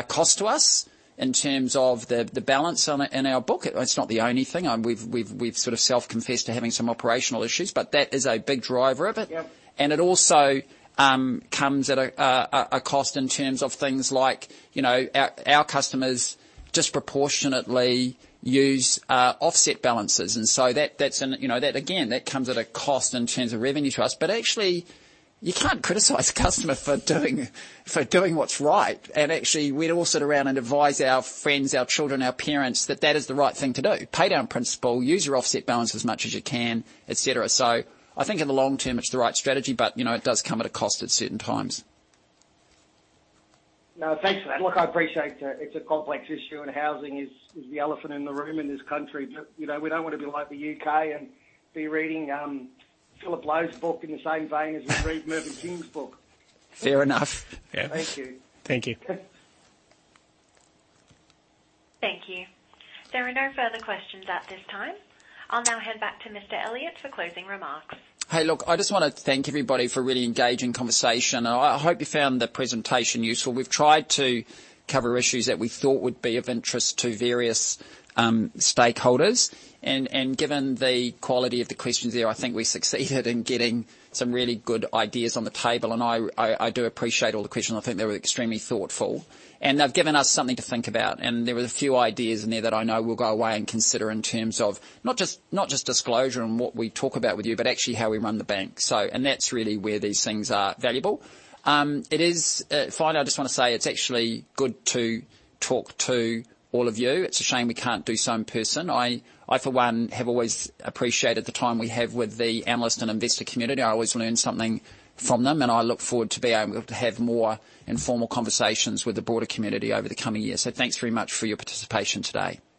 cost to us in terms of the balance in our book. It's not the only thing. We've sort of self-confessed to having some operational issues, but that is a big driver of it. It also comes at a cost in terms of things like our customers disproportionately use offset balances, and so that again, comes at a cost in terms of revenue to us. Actually, you can't criticize a customer for doing what's right. Actually, we'd all sit around and advise our friends, our children, our parents, that that is the right thing to do. Pay down principal, use your offset balance as much as you can, et cetera. I think in the long term, it's the right strategy, but it does come at a cost at certain times. No, thanks for that. Look, I appreciate it's a complex issue, and housing is the elephant in the room in this country. We don't want to be like the U.K. and be reading Philip Lowe's book in the same vein as we read Mervyn King's book. Fair enough. Yeah. Thank you. Thank you. Thank you. There are no further questions at this time. I'll now hand back to Mr. Elliott for closing remarks. Hey, look, I just want to thank everybody for a really engaging conversation. I hope you found the presentation useful. We've tried to cover issues that we thought would be of interest to various stakeholders. Given the quality of the questions there, I think we succeeded in getting some really good ideas on the table, and I do appreciate all the questions. I think they were extremely thoughtful, and they've given us something to think about. There were a few ideas in there that I know we'll go away and consider in terms of not just disclosure and what we talk about with you, but actually how we run the bank. That's really where these things are valuable. Finally, I just want to say it's actually good to talk to all of you. It's a shame we can't do so in person. I, for one, have always appreciated the time we have with the analyst and investor community. I always learn something from them, and I look forward to be able to have more informal conversations with the broader community over the coming year. Thanks very much for your participation today.